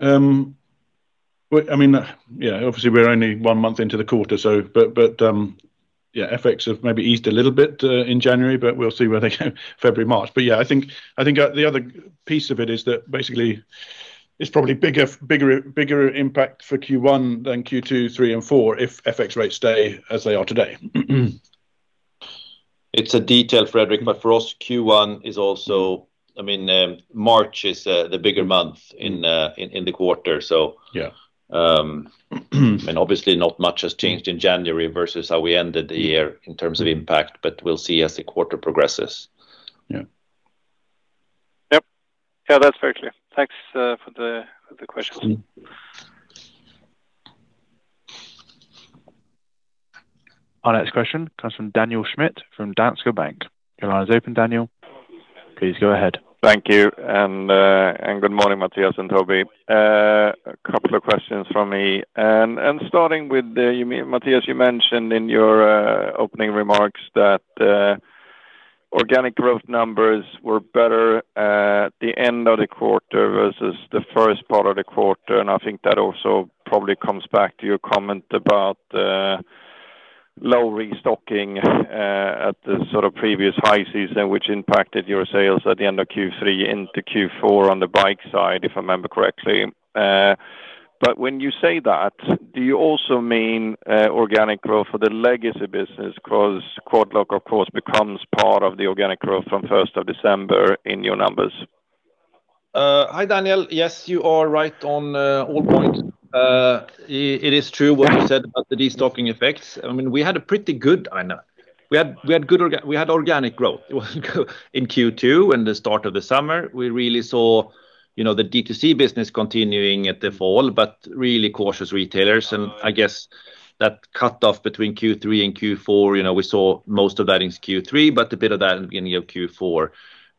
I mean, yeah, obviously, we're only one month into the quarter. So yeah, FX have maybe eased a little bit in January, but we'll see where they go February, March. But yeah, I think the other piece of it is that basically, it's probably bigger impact for Q1 than Q2, Q3, and Q4 if FX rates stay as they are today. It's a detail, Fredrik, but for us, Q1 is also I mean, March is the bigger month in the quarter. So I mean, obviously, not much has changed in January versus how we ended the year in terms of impact, but we'll see as the quarter progresses. Yeah. Yep. Yeah, that's fair, Clear. Thanks for the questions. Our next question comes from Daniel Schmidt from Danske Bank. Your line is open, Daniel. Please go ahead. Thank you. Good morning, Mattias and Toby. A couple of questions from me. Starting with, Mattias, you mentioned in your opening remarks that organic growth numbers were better at the end of the quarter versus the first part of the quarter. I think that also probably comes back to your comment about low restocking at the sort of previous high season, which impacted your sales at the end of Q3 into Q4 on the bike side, if I remember correctly. But when you say that, do you also mean organic growth for the legacy business because Quad Lock, of course, becomes part of the organic growth from 1st of December in your numbers? Hi, Daniel. Yes, you are right on all points. It is true what you said about the destocking effects. I mean, we had good organic growth. It wasn't good in Q2 and the start of the summer. We really saw the D2C business continuing at the fall, but really cautious retailers. And I guess that cutoff between Q3 and Q4, we saw most of that in Q3, but a bit of that in the beginning of Q4.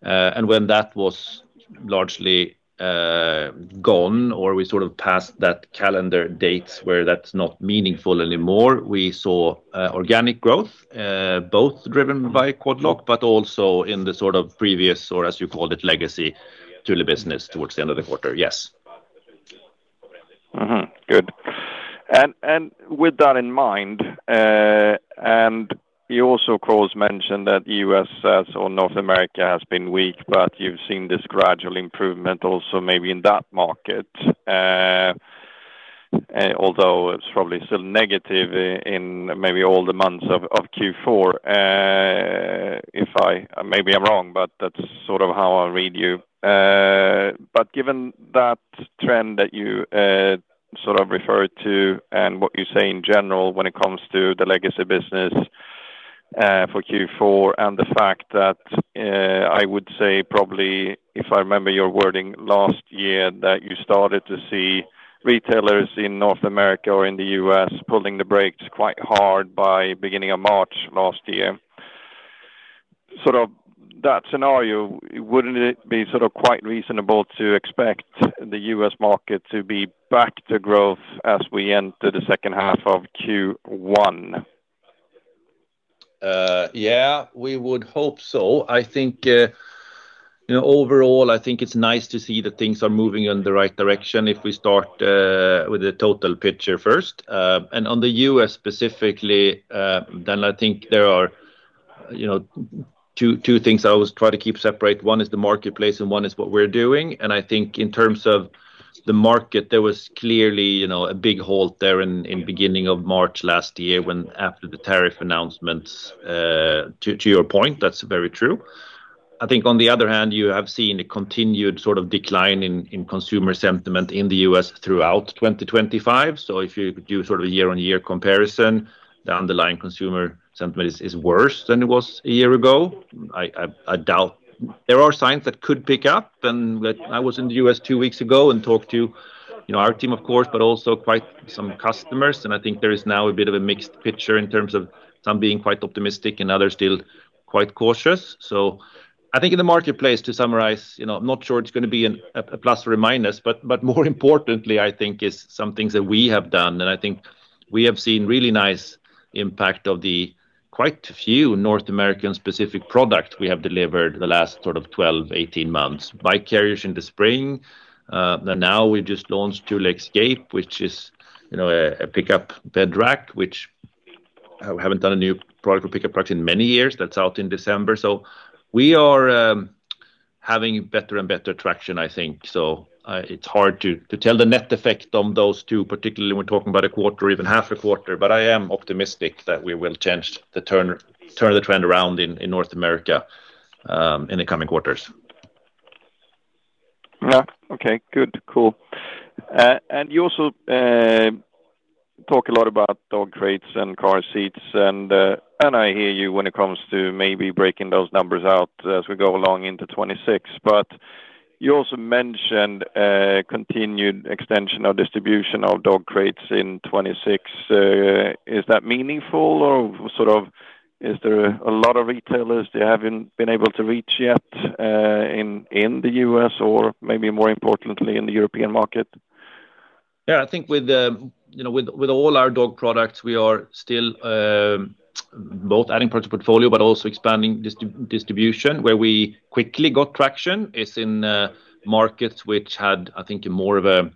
And when that was largely gone or we sort of passed that calendar date where that's not meaningful anymore, we saw organic growth, both driven by Quad Lock, but also in the sort of previous or, as you called it, legacy Thule business towards the end of the quarter. Yes. Good. And with that in mind, and you also, of course, mentioned that U.S. or North America has been weak, but you've seen this gradual improvement also maybe in that market, although it's probably still negative in maybe all the months of Q4. Maybe I'm wrong, but that's sort of how I read you. But given that trend that you sort of referred to and what you say in general when it comes to the legacy business for Q4 and the fact that I would say probably, if I remember your wording last year, that you started to see retailers in North America or in the U.S. pulling the brakes quite hard by beginning of March last year, sort of that scenario, wouldn't it be sort of quite reasonable to expect the U.S. market to be back to growth as we enter the second half of Q1? Yeah, we would hope so. I think overall, I think it's nice to see that things are moving in the right direction if we start with the total picture first. And on the U.S. specifically, then I think there are two things I always try to keep separate. One is the marketplace and one is what we're doing. And I think in terms of the market, there was clearly a big halt there in the beginning of March last year after the tariff announcements. To your point, that's very true. I think on the other hand, you have seen a continued sort of decline in consumer sentiment in the U.S. throughout 2025. So if you do sort of a year-on-year comparison, the underlying consumer sentiment is worse than it was a year ago. I doubt there are signs that could pick up. I was in the U.S. two weeks ago and talked to our team, of course, but also quite some customers. And I think there is now a bit of a mixed picture in terms of some being quite optimistic and others still quite cautious. So I think in the marketplace, to summarize, I'm not sure it's going to be a plus or a minus, but more importantly, I think, is some things that we have done. And I think we have seen really nice impact of the quite few North American-specific products we have delivered the last sort of 12-18 months. Bike carriers in the spring. Now we've just launched Thule Xscape, which is a pickup bed rack, which we haven't done a new product or pickup truck in many years. That's out in December. So we are having better and better traction, I think. It's hard to tell the net effect on those two, particularly when we're talking about a quarter or even half a quarter. But I am optimistic that we will change the turn of the trend around in North America in the coming quarters. Yeah. Okay. Good. Cool. And you also talk a lot about dog crates and car seats. And I hear you when it comes to maybe breaking those numbers out as we go along into 2026. But you also mentioned continued extension or distribution of dog crates in 2026. Is that meaningful, or sort of is there a lot of retailers you haven't been able to reach yet in the U.S. or maybe more importantly, in the European market? Yeah. I think with all our dog products, we are still both adding product to portfolio, but also expanding distribution. Where we quickly got traction is in markets which had, I think, more of an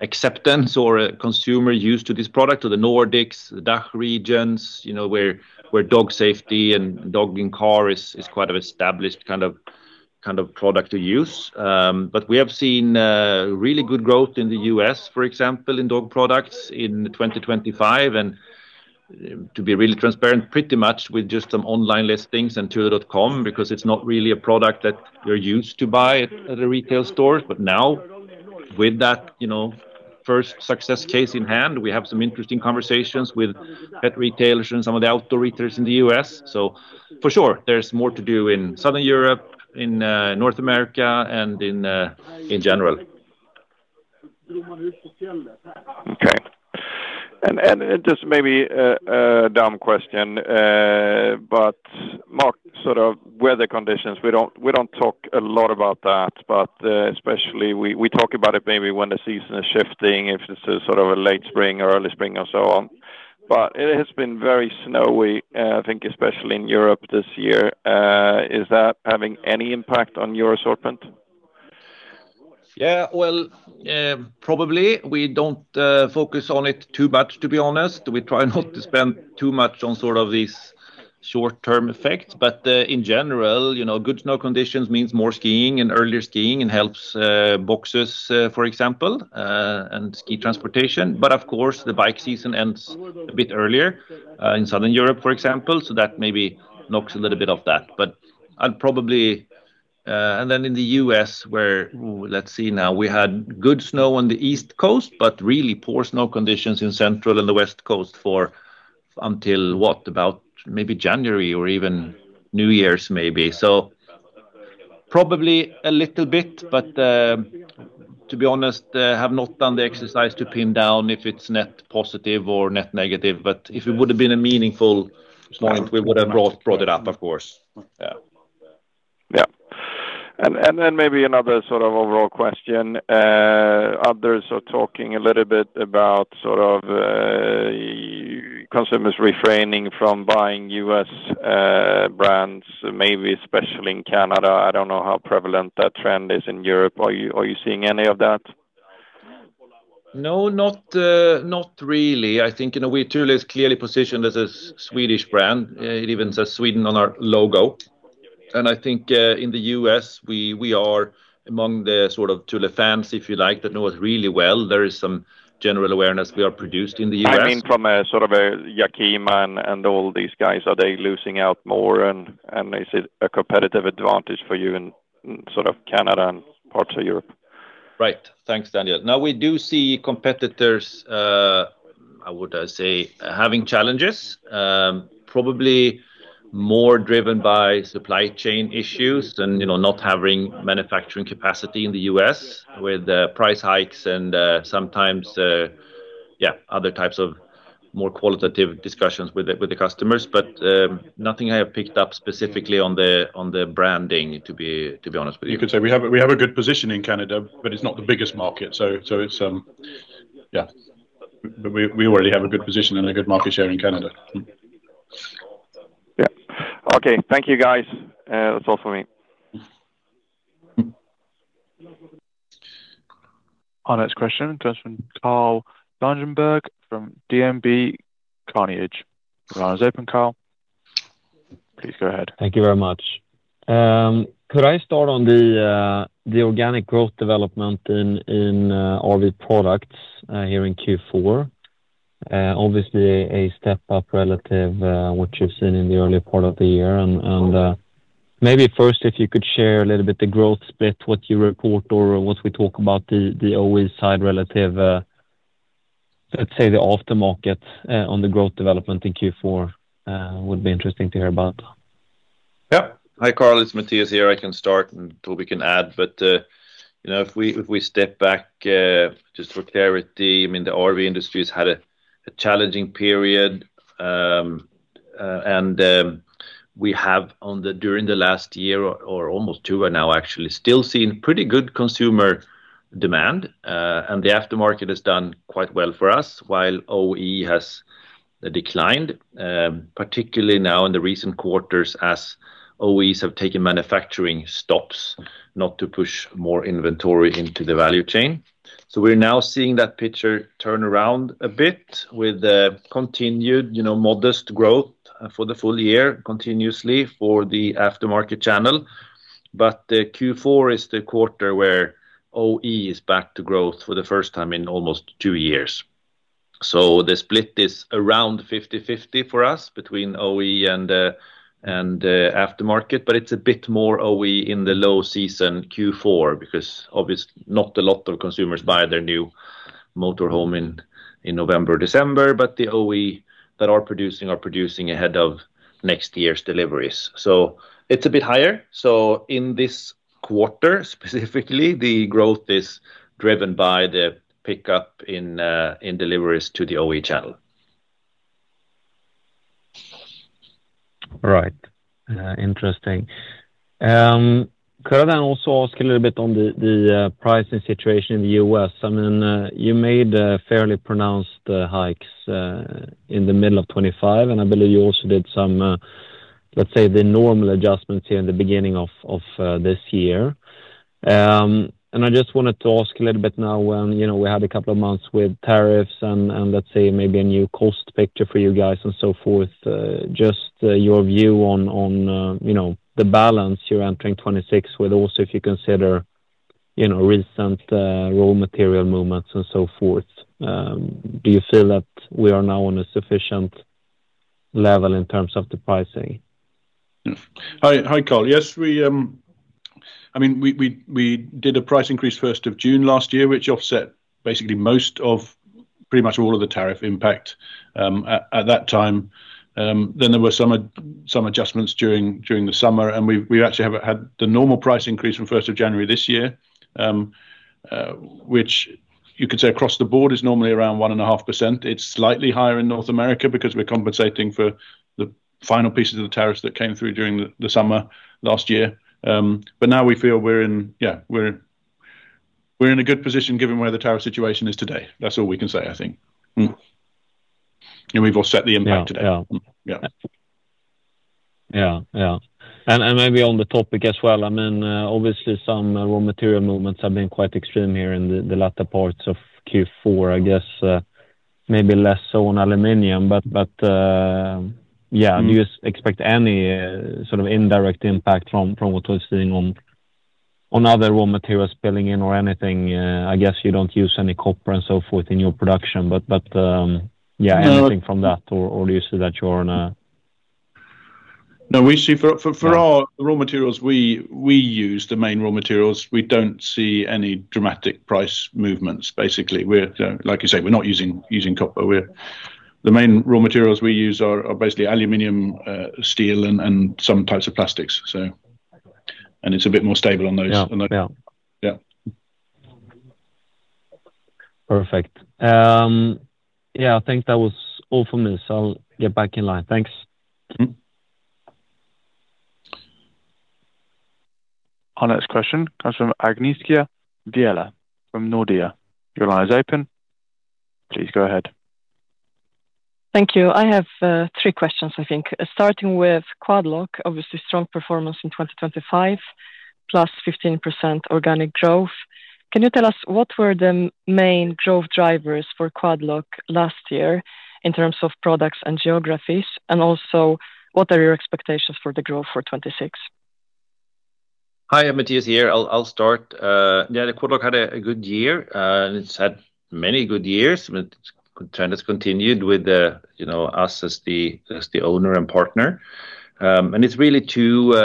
acceptance or a consumer use to this product, to the Nordics, the DACH regions, where dog safety and dog in car is quite an established kind of product to use. But we have seen really good growth in the U.S., for example, in dog products in 2025. And to be really transparent, pretty much with just some online listings and Thule.com because it's not really a product that you're used to buy at a retail store. But now, with that first success case in hand, we have some interesting conversations with pet retailers and some of the outdoor retailers in the U.S. For sure, there's more to do in Southern Europe, in North America, and in general. Okay. And just maybe a dumb question, but sort of weather conditions, we don't talk a lot about that, but especially we talk about it maybe when the season is shifting, if it's sort of a late spring or early spring or so on. But it has been very snowy, I think, especially in Europe this year. Is that having any impact on your assortment? Yeah. Well, probably we don't focus on it too much, to be honest. We try not to spend too much on sort of these short-term effects. But in general, good snow conditions means more skiing and earlier skiing and helps boxes, for example, and ski transportation. But of course, the bike season ends a bit earlier in Southern Europe, for example. So that maybe knocks a little bit off that. But I'd probably and then in the U.S., where let's see now, we had good snow on the East Coast, but really poor snow conditions in central and the West Coast for until, what, about maybe January or even New Year's, maybe. So probably a little bit, but to be honest, I have not done the exercise to pin down if it's net positive or net negative. If it would have been a meaningful point, we would have brought it up, of course. Yeah. Yeah. And then maybe another sort of overall question. Others are talking a little bit about sort of consumers refraining from buying U.S. brands, maybe especially in Canada. I don't know how prevalent that trend is in Europe. Are you seeing any of that? No, not really. I think Thule is clearly positioned as a Swedish brand. It even says Sweden on our logo. I think in the U.S., we are among the sort of Thule fans, if you like, that know us really well. There is some general awareness we are produced in the U.S. I mean, from sort of Yakima and all these guys, are they losing out more? And is it a competitive advantage for you in sort of Canada and parts of Europe? Right. Thanks, Daniel. Now, we do see competitors, how would I say, having challenges, probably more driven by supply chain issues and not having manufacturing capacity in the U.S. with price hikes and sometimes, yeah, other types of more qualitative discussions with the customers. But nothing I have picked up specifically on the branding, to be honest with you. You could say we have a good position in Canada, but it's not the biggest market. So yeah, we already have a good position and a good market share in Canada. Yeah. Okay. Thank you, guys. That's all from me. Our next question comes from Carl Deijenberg from DNB Carnegie. Your line is open, Carl. Please go ahead. Thank you very much. Could I start on the organic growth development in RV Products here in Q4? Obviously, a step up relative to what you've seen in the earlier part of the year. Maybe first, if you could share a little bit the growth split, what you report or what we talk about the OE side relative, let's say, the aftermarket on the growth development in Q4 would be interesting to hear about. Yep. Hi, Carl. It's Mattias here. I can start, and Toby can add. But if we step back just for clarity, I mean, the RV industry has had a challenging period. And we have, during the last year or almost two now, actually, still seen pretty good consumer demand. And the aftermarket has done quite well for us while OE has declined, particularly now in the recent quarters as OEs have taken manufacturing stops not to push more inventory into the value chain. So we're now seeing that picture turn around a bit with continued modest growth for the full year continuously for the aftermarket channel. But Q4 is the quarter where OE is back to growth for the first time in almost two years. So the split is around 50/50 for us between OE and aftermarket. But it's a bit more OE in the low season Q4 because, obviously, not a lot of consumers buy their new motorhome in November or December. But the OE that are producing are producing ahead of next year's deliveries. So it's a bit higher. So in this quarter, specifically, the growth is driven by the pickup in deliveries to the OE channel. All right. Interesting. Could I then also ask a little bit on the pricing situation in the U.S.? I mean, you made fairly pronounced hikes in the middle of 2025. I believe you also did some, let's say, the normal adjustments here in the beginning of this year. I just wanted to ask a little bit now when we had a couple of months with tariffs and, let's say, maybe a new cost picture for you guys and so forth, just your view on the balance you're entering 2026 with also if you consider recent raw material movements and so forth. Do you feel that we are now on a sufficient level in terms of the pricing? Hi, Carl. Yes. I mean, we did a price increase 1st of June last year, which offset basically most of pretty much all of the tariff impact at that time. Then there were some adjustments during the summer. We actually have had the normal price increase from 1st of January this year, which you could say across the board is normally around 1.5%. It's slightly higher in North America because we're compensating for the final pieces of the tariffs that came through during the summer last year. But now we feel we're in, yeah, we're in a good position given where the tariff situation is today. That's all we can say, I think. We've all set the impact today. Yeah. Yeah. Yeah. And maybe on the topic as well, I mean, obviously, some raw material movements have been quite extreme here in the latter parts of Q4, I guess, maybe less so on aluminum. But yeah, do you expect any sort of indirect impact from what we're seeing on other raw materials spilling in or anything? I guess you don't use any copper and so forth in your production. But yeah, anything from that, or do you see that you're on a? No, we see for our raw materials, we use the main raw materials. We don't see any dramatic price movements, basically. Like you say, we're not using copper. The main raw materials we use are basically aluminum, steel, and some types of plastics, so. And it's a bit more stable on those. Yeah. Perfect. Yeah, I think that was all from me. So I'll get back in line. Thanks. Our next question comes from Agnieszka Vilela from Nordea. Your line is open. Please go ahead. Thank you. I have three questions, I think, starting with Quad Lock, obviously, strong performance in 2025, +15% organic growth. Can you tell us what were the main growth drivers for Quad Lock last year in terms of products and geographies, and also what are your expectations for the growth for 2026? Hi, Mattias here. I'll start. Yeah, the Quad Lock had a good year, and it's had many good years. The trend has continued with us as the owner and partner. And it's really two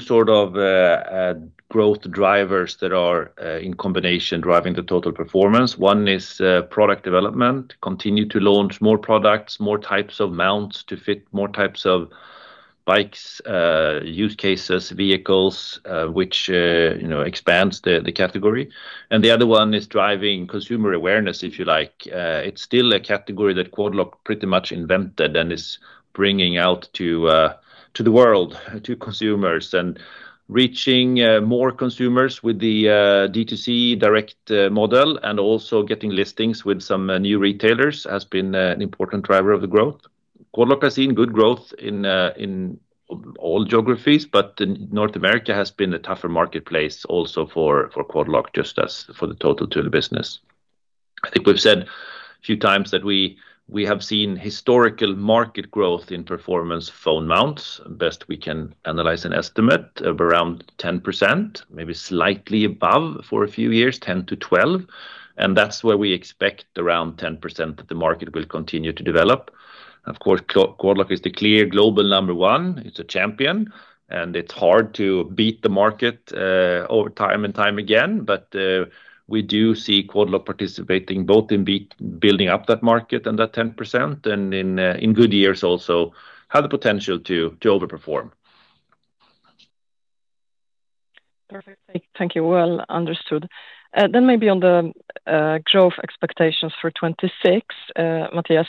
sort of growth drivers that are in combination driving the total performance. One is product development, continue to launch more products, more types of mounts to fit more types of bikes, use cases, vehicles, which expands the category. And the other one is driving consumer awareness, if you like. It's still a category that Quad Lock pretty much invented and is bringing out to the world, to consumers. And reaching more consumers with the D2C direct model and also getting listings with some new retailers has been an important driver of the growth. Quad Lock has seen good growth in all geographies, but North America has been a tougher marketplace also for Quad Lock, just as for the total Thule business. I think we've said a few times that we have seen historical market growth in performance phone mounts, best we can analyze and estimate, of around 10%, maybe slightly above for a few years, 10-12. And that's where we expect around 10% that the market will continue to develop. Of course, Quad Lock is the clear global number one. It's a champion. And it's hard to beat the market time and time again. But we do see Quad Lock participating both in building up that market and that 10% and in good years also have the potential to overperform. Perfect. Thank you. Well understood. Then maybe on the growth expectations for 2026, Mattias,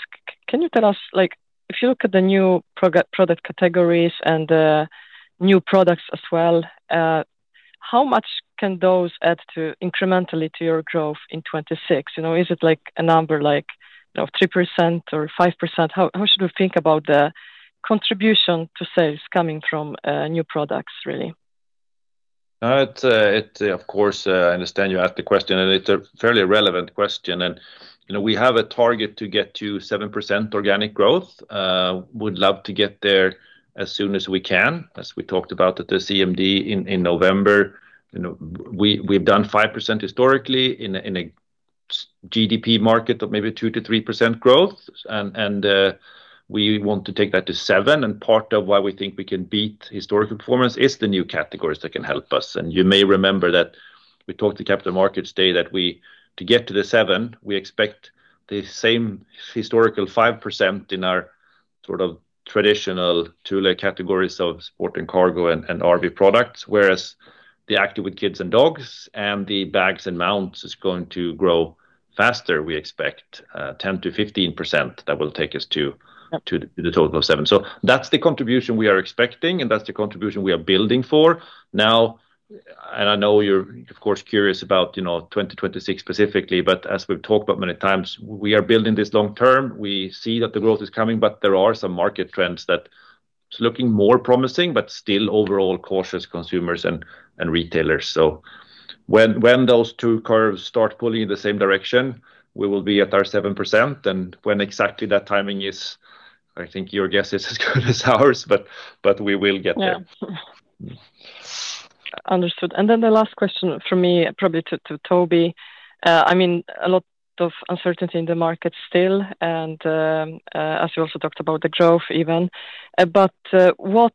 can you tell us, if you look at the new product categories and new products as well, how much can those add incrementally to your growth in 2026? Is it a number like 3% or 5%? How should we think about the contribution to sales coming from new products, really? Of course, I understand you asked the question. And it's a fairly relevant question. And we have a target to get to 7% organic growth. We'd love to get there as soon as we can, as we talked about at the CMD in November. We've done 5% historically in a GDP market of maybe 2%-3% growth. And we want to take that to 7%. And part of why we think we can beat historical performance is the new categories that can help us. You may remember that we talked to Capital Markets Day that to get to the 7%, we expect the same historical 5% in our sort of traditional Thule categories of Sport & Cargo and RV Products, whereas the Active with Kids & Dogs and the Bags & Mounts is going to grow faster, we expect, 10%-15% that will take us to the total of 7%. So that's the contribution we are expecting, and that's the contribution we are building for. Now, and I know you're, of course, curious about 2026 specifically, but as we've talked about many times, we are building this long term. We see that the growth is coming, but there are some market trends that it's looking more promising, but still overall cautious consumers and retailers. So when those two curves start pulling in the same direction, we will be at our 7%. When exactly that timing is, I think your guess is as good as ours, but we will get there. Yeah. Understood. And then the last question from me, probably to Toby. I mean, a lot of uncertainty in the market still, and as you also talked about the growth even. But what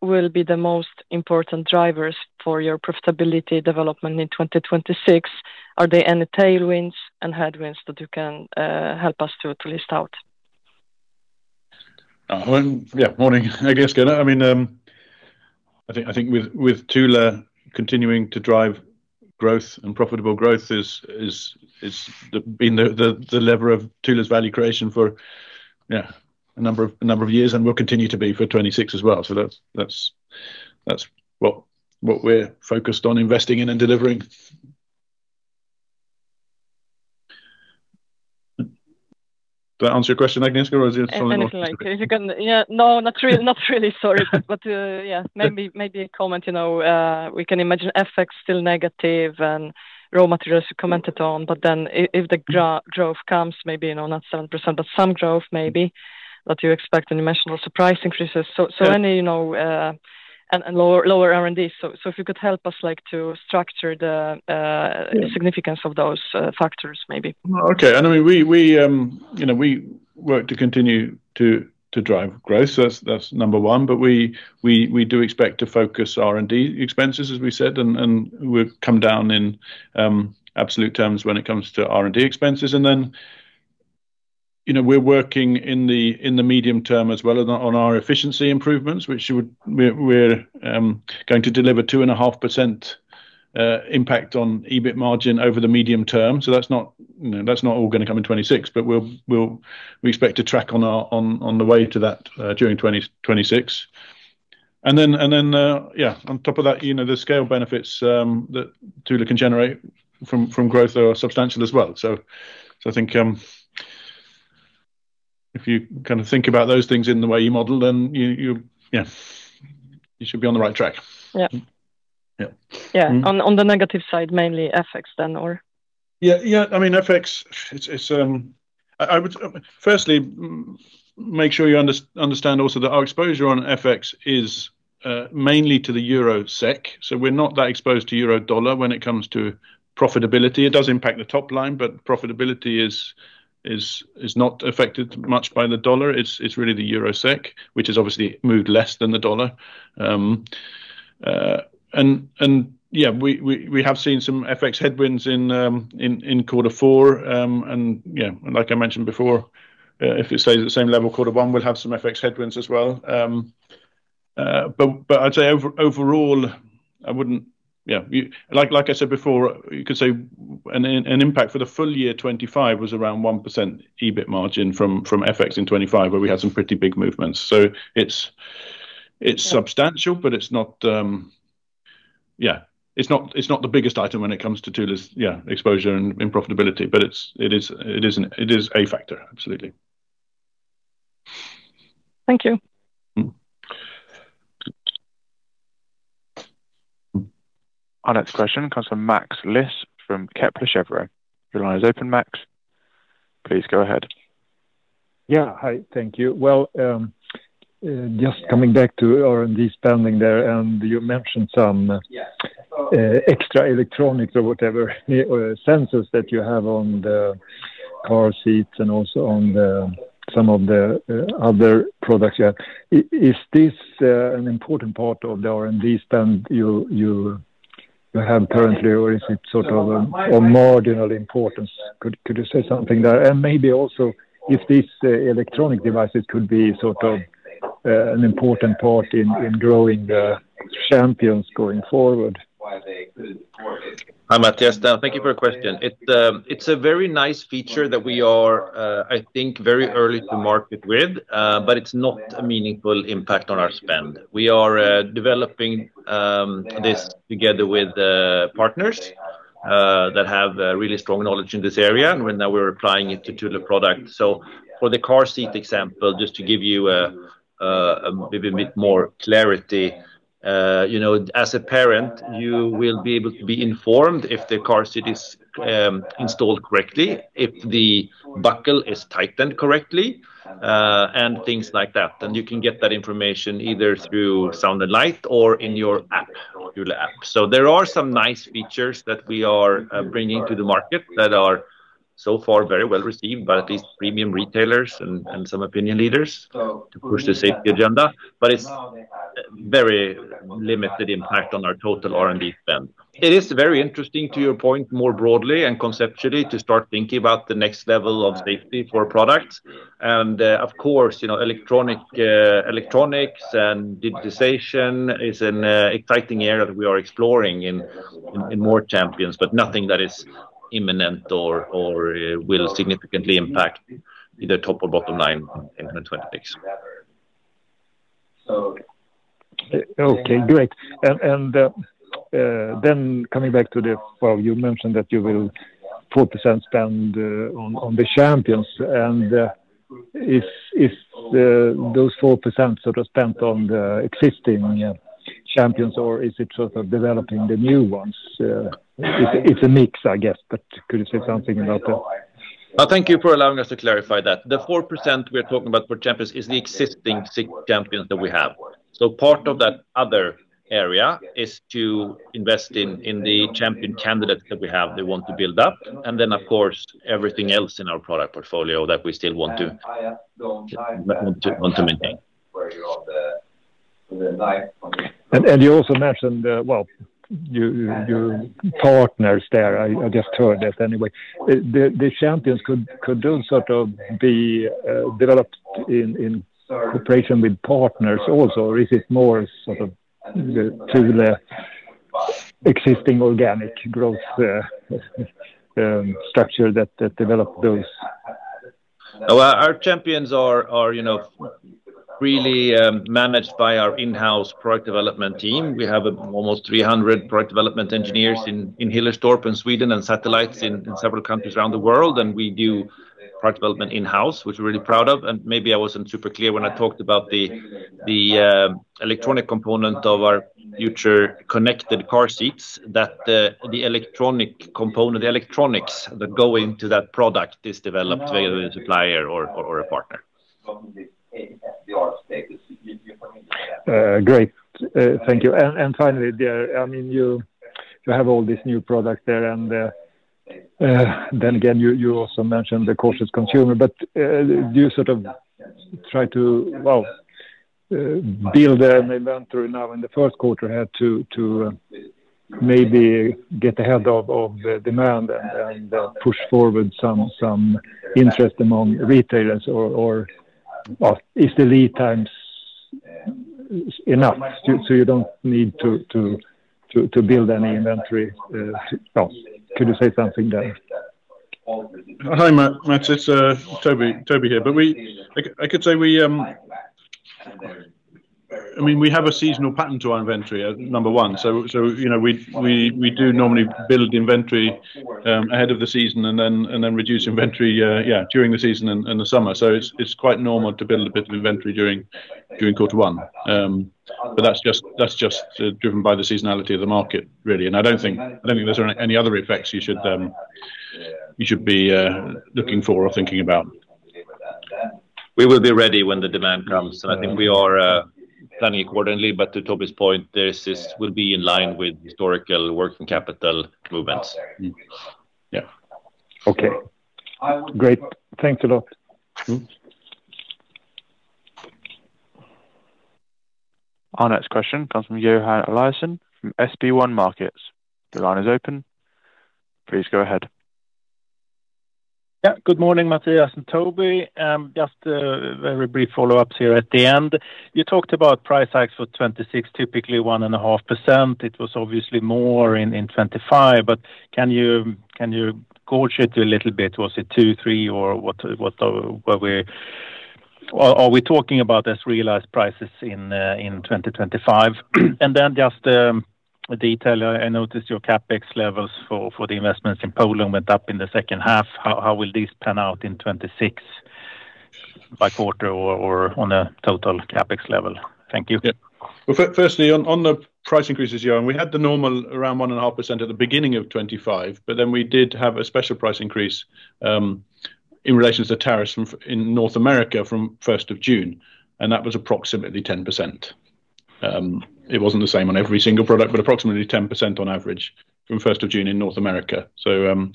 will be the most important drivers for your profitability development in 2026? Are there any tailwinds and headwinds that you can help us to list out? Yeah. Morning, Agnieszka. I mean, I think with Thule continuing to drive growth and profitable growth has been the lever of Thule's value creation for, yeah, a number of years, and will continue to be for 2026 as well. So that's what we're focused on investing in and delivering. Did that answer your question, Agnieszka, or is it something else? Definitely. Yeah. No, not really. Sorry. But yeah, maybe a comment. We can imagine FX still negative and raw materials you commented on. But then if the growth comes, maybe not 7%, but some growth, maybe, that you expect, and you mentioned also price increases, so any and lower R&D. So if you could help us to structure the significance of those factors, maybe. Okay. And I mean, we work to continue to drive growth. That's number one. But we do expect to focus R&D expenses, as we said, and we've come down in absolute terms when it comes to R&D expenses. And then we're working in the medium term as well on our efficiency improvements, which we're going to deliver 2.5% impact on EBIT margin over the medium term. So that's not all going to come in 2026, but we expect to track on the way to that during 2026. And then, yeah, on top of that, the scale benefits that Thule can generate from growth, they are substantial as well. So I think if you kind of think about those things in the way you model, then yeah, you should be on the right track. Yeah. Yeah. On the negative side, mainly FX then, or? Yeah. Yeah. I mean, FX, firstly, make sure you understand also that our exposure on FX is mainly to the EUR/SEK. So we're not that exposed to EUR/dollar when it comes to profitability. It does impact the top line, but profitability is not affected much by the dollar. It's really the EUR/SEK, which has obviously moved less than the dollar. And yeah, we have seen some FX headwinds in quarter four. And yeah, like I mentioned before, if it stays at the same level, quarter one, we'll have some FX headwinds as well. But I'd say overall, I wouldn't yeah, like I said before, you could say an impact for the full year 2025 was around 1% EBIT margin from FX in 2025, where we had some pretty big movements. So it's substantial, but it's not yeah, it's not the biggest item when it comes to Thule's, yeah, exposure and profitability. But it is a factor, absolutely. Thank you. Our next question comes from Mats Liss from Kepler Cheuvreux. Your line is open, Mats. Please go ahead. Yeah. Hi. Thank you. Well, just coming back to R&D spending there, and you mentioned some extra electronics or whatever, sensors that you have on the car seats and also on some of the other products you have. Is this an important part of the R&D spend you have currently, or is it sort of of marginal importance? Could you say something there? And maybe also, if these electronic devices could be sort of an important part in growing the champions going forward? Hi, Mattias. Thank you for the question. It's a very nice feature that we are, I think, very early to market with, but it's not a meaningful impact on our spend. We are developing this together with partners that have really strong knowledge in this area, and now we're applying it to Thule products. So for the car seat example, just to give you maybe a bit more clarity, as a parent, you will be able to be informed if the car seat is installed correctly, if the buckle is tightened correctly, and things like that. And you can get that information either through sound and light or in your app, Thule app. So there are some nice features that we are bringing to the market that are so far very well received, by at least premium retailers and some opinion leaders, to push the safety agenda. It's very limited impact on our total R&D spend. It is very interesting, to your point, more broadly and conceptually, to start thinking about the next level of safety for products. Of course, electronics and digitization is an exciting area that we are exploring in more depth, but nothing that is imminent or will significantly impact either top or bottom line in 2026. Okay. Great. And then coming back to the well, you mentioned that you will 4% spend on the champions. Is those 4% sort of spent on the existing champions, or is it sort of developing the new ones? It's a mix, I guess, but could you say something about that? Thank you for allowing us to clarify that. The 4% we are talking about for champions is the existing six champions that we have. So part of that other area is to invest in the champion candidates that we have, that we want to build up, and then, of course, everything else in our product portfolio that we still want to maintain. You also mentioned, well, your partners there. I just heard it anyway. The champions could then sort of be developed in cooperation with partners also, or is it more sort of the Thule existing organic growth structure that developed those? Our champions are really managed by our in-house product development team. We have almost 300 product development engineers in Hillerstorp in Sweden and satellites in several countries around the world. We do product development in-house, which we're really proud of. Maybe I wasn't super clear when I talked about the electronic component of our future connected car seats, that the electronic component, the electronics that go into that product is developed via the supplier or a partner. Great. Thank you. And finally, I mean, you have all these new products there. And then again, you also mentioned the cautious consumer. But do you sort of try to, well, build an inventory now in the first quarter ahead to maybe get ahead of the demand and push forward some interest among retailers? Or is the lead time enough so you don't need to build any inventory? Could you say something there? Hi, Mattias. Toby here. But I could say, I mean, we have a seasonal pattern to our inventory, number one. So we do normally build inventory ahead of the season and then reduce inventory, yeah, during the season and the summer. So it's quite normal to build a bit of inventory during quarter one. But that's just driven by the seasonality of the market, really. And I don't think there's any other effects you should be looking for or thinking about. We will be ready when the demand comes. I think we are planning accordingly. But to Toby's point, this will be in line with historical working capital movements. Yeah. Okay. Great. Thanks a lot. Our next question comes from Johan Eliasson from SB1 Markets. Your line is open. Please go ahead. Yeah. Good morning, Mattias and Toby. Just very brief follow-ups here at the end. You talked about price hikes for 2026, typically 1.5%. It was obviously more in 2025. But can you gorge it a little bit? Was it two, three, or are we talking about as-realized prices in 2025? And then just a detail, I noticed your CapEx levels for the investments in Poland went up in the second half. How will these pan out in 2026 by quarter or on a total CapEx level? Thank you. Yeah. Well, firstly, on the price increases, Johan, we had the normal around 1.5% at the beginning of 2025, but then we did have a special price increase in relation to tariffs in North America from 1st of June. And that was approximately 10%. It wasn't the same on every single product, but approximately 10% on average from 1st of June in North America. So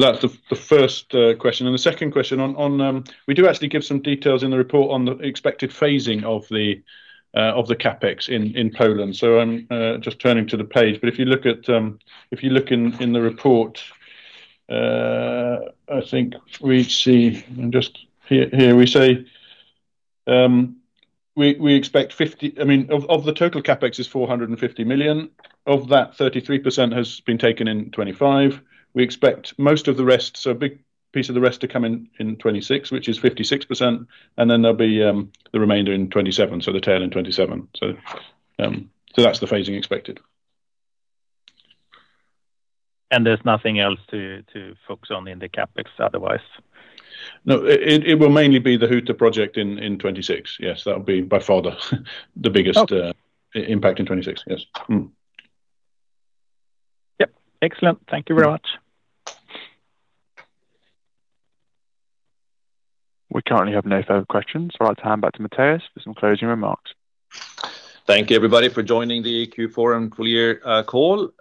that's the first question. And the second question, we do actually give some details in the report on the expected phasing of the CapEx in Poland. So I'm just turning to the page. But if you look in the report, I think we see and just here, we say we expect 50 I mean, of the total CapEx is 450 million. Of that, 33% has been taken in 2025. We expect most of the rest, so a big piece of the rest, to come in 2026, which is 56%. And then there'll be the remainder in 2027, so the tail in 2027. So that's the phasing expected. There's nothing else to focus on in the CapEx otherwise? No. It will mainly be the Huta project in 2026. Yes. That will be by far the biggest impact in 2026. Yes. Yep. Excellent. Thank you very much. We currently have no further questions. I'll hand back to Mattias for some closing remarks. Thank you, everybody, for joining the Q4 and full-year call.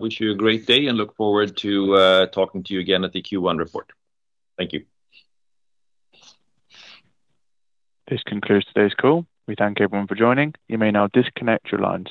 Wish you a great day and look forward to talking to you again at the Q1 report. Thank you. This concludes today's call. We thank everyone for joining. You may now disconnect your line.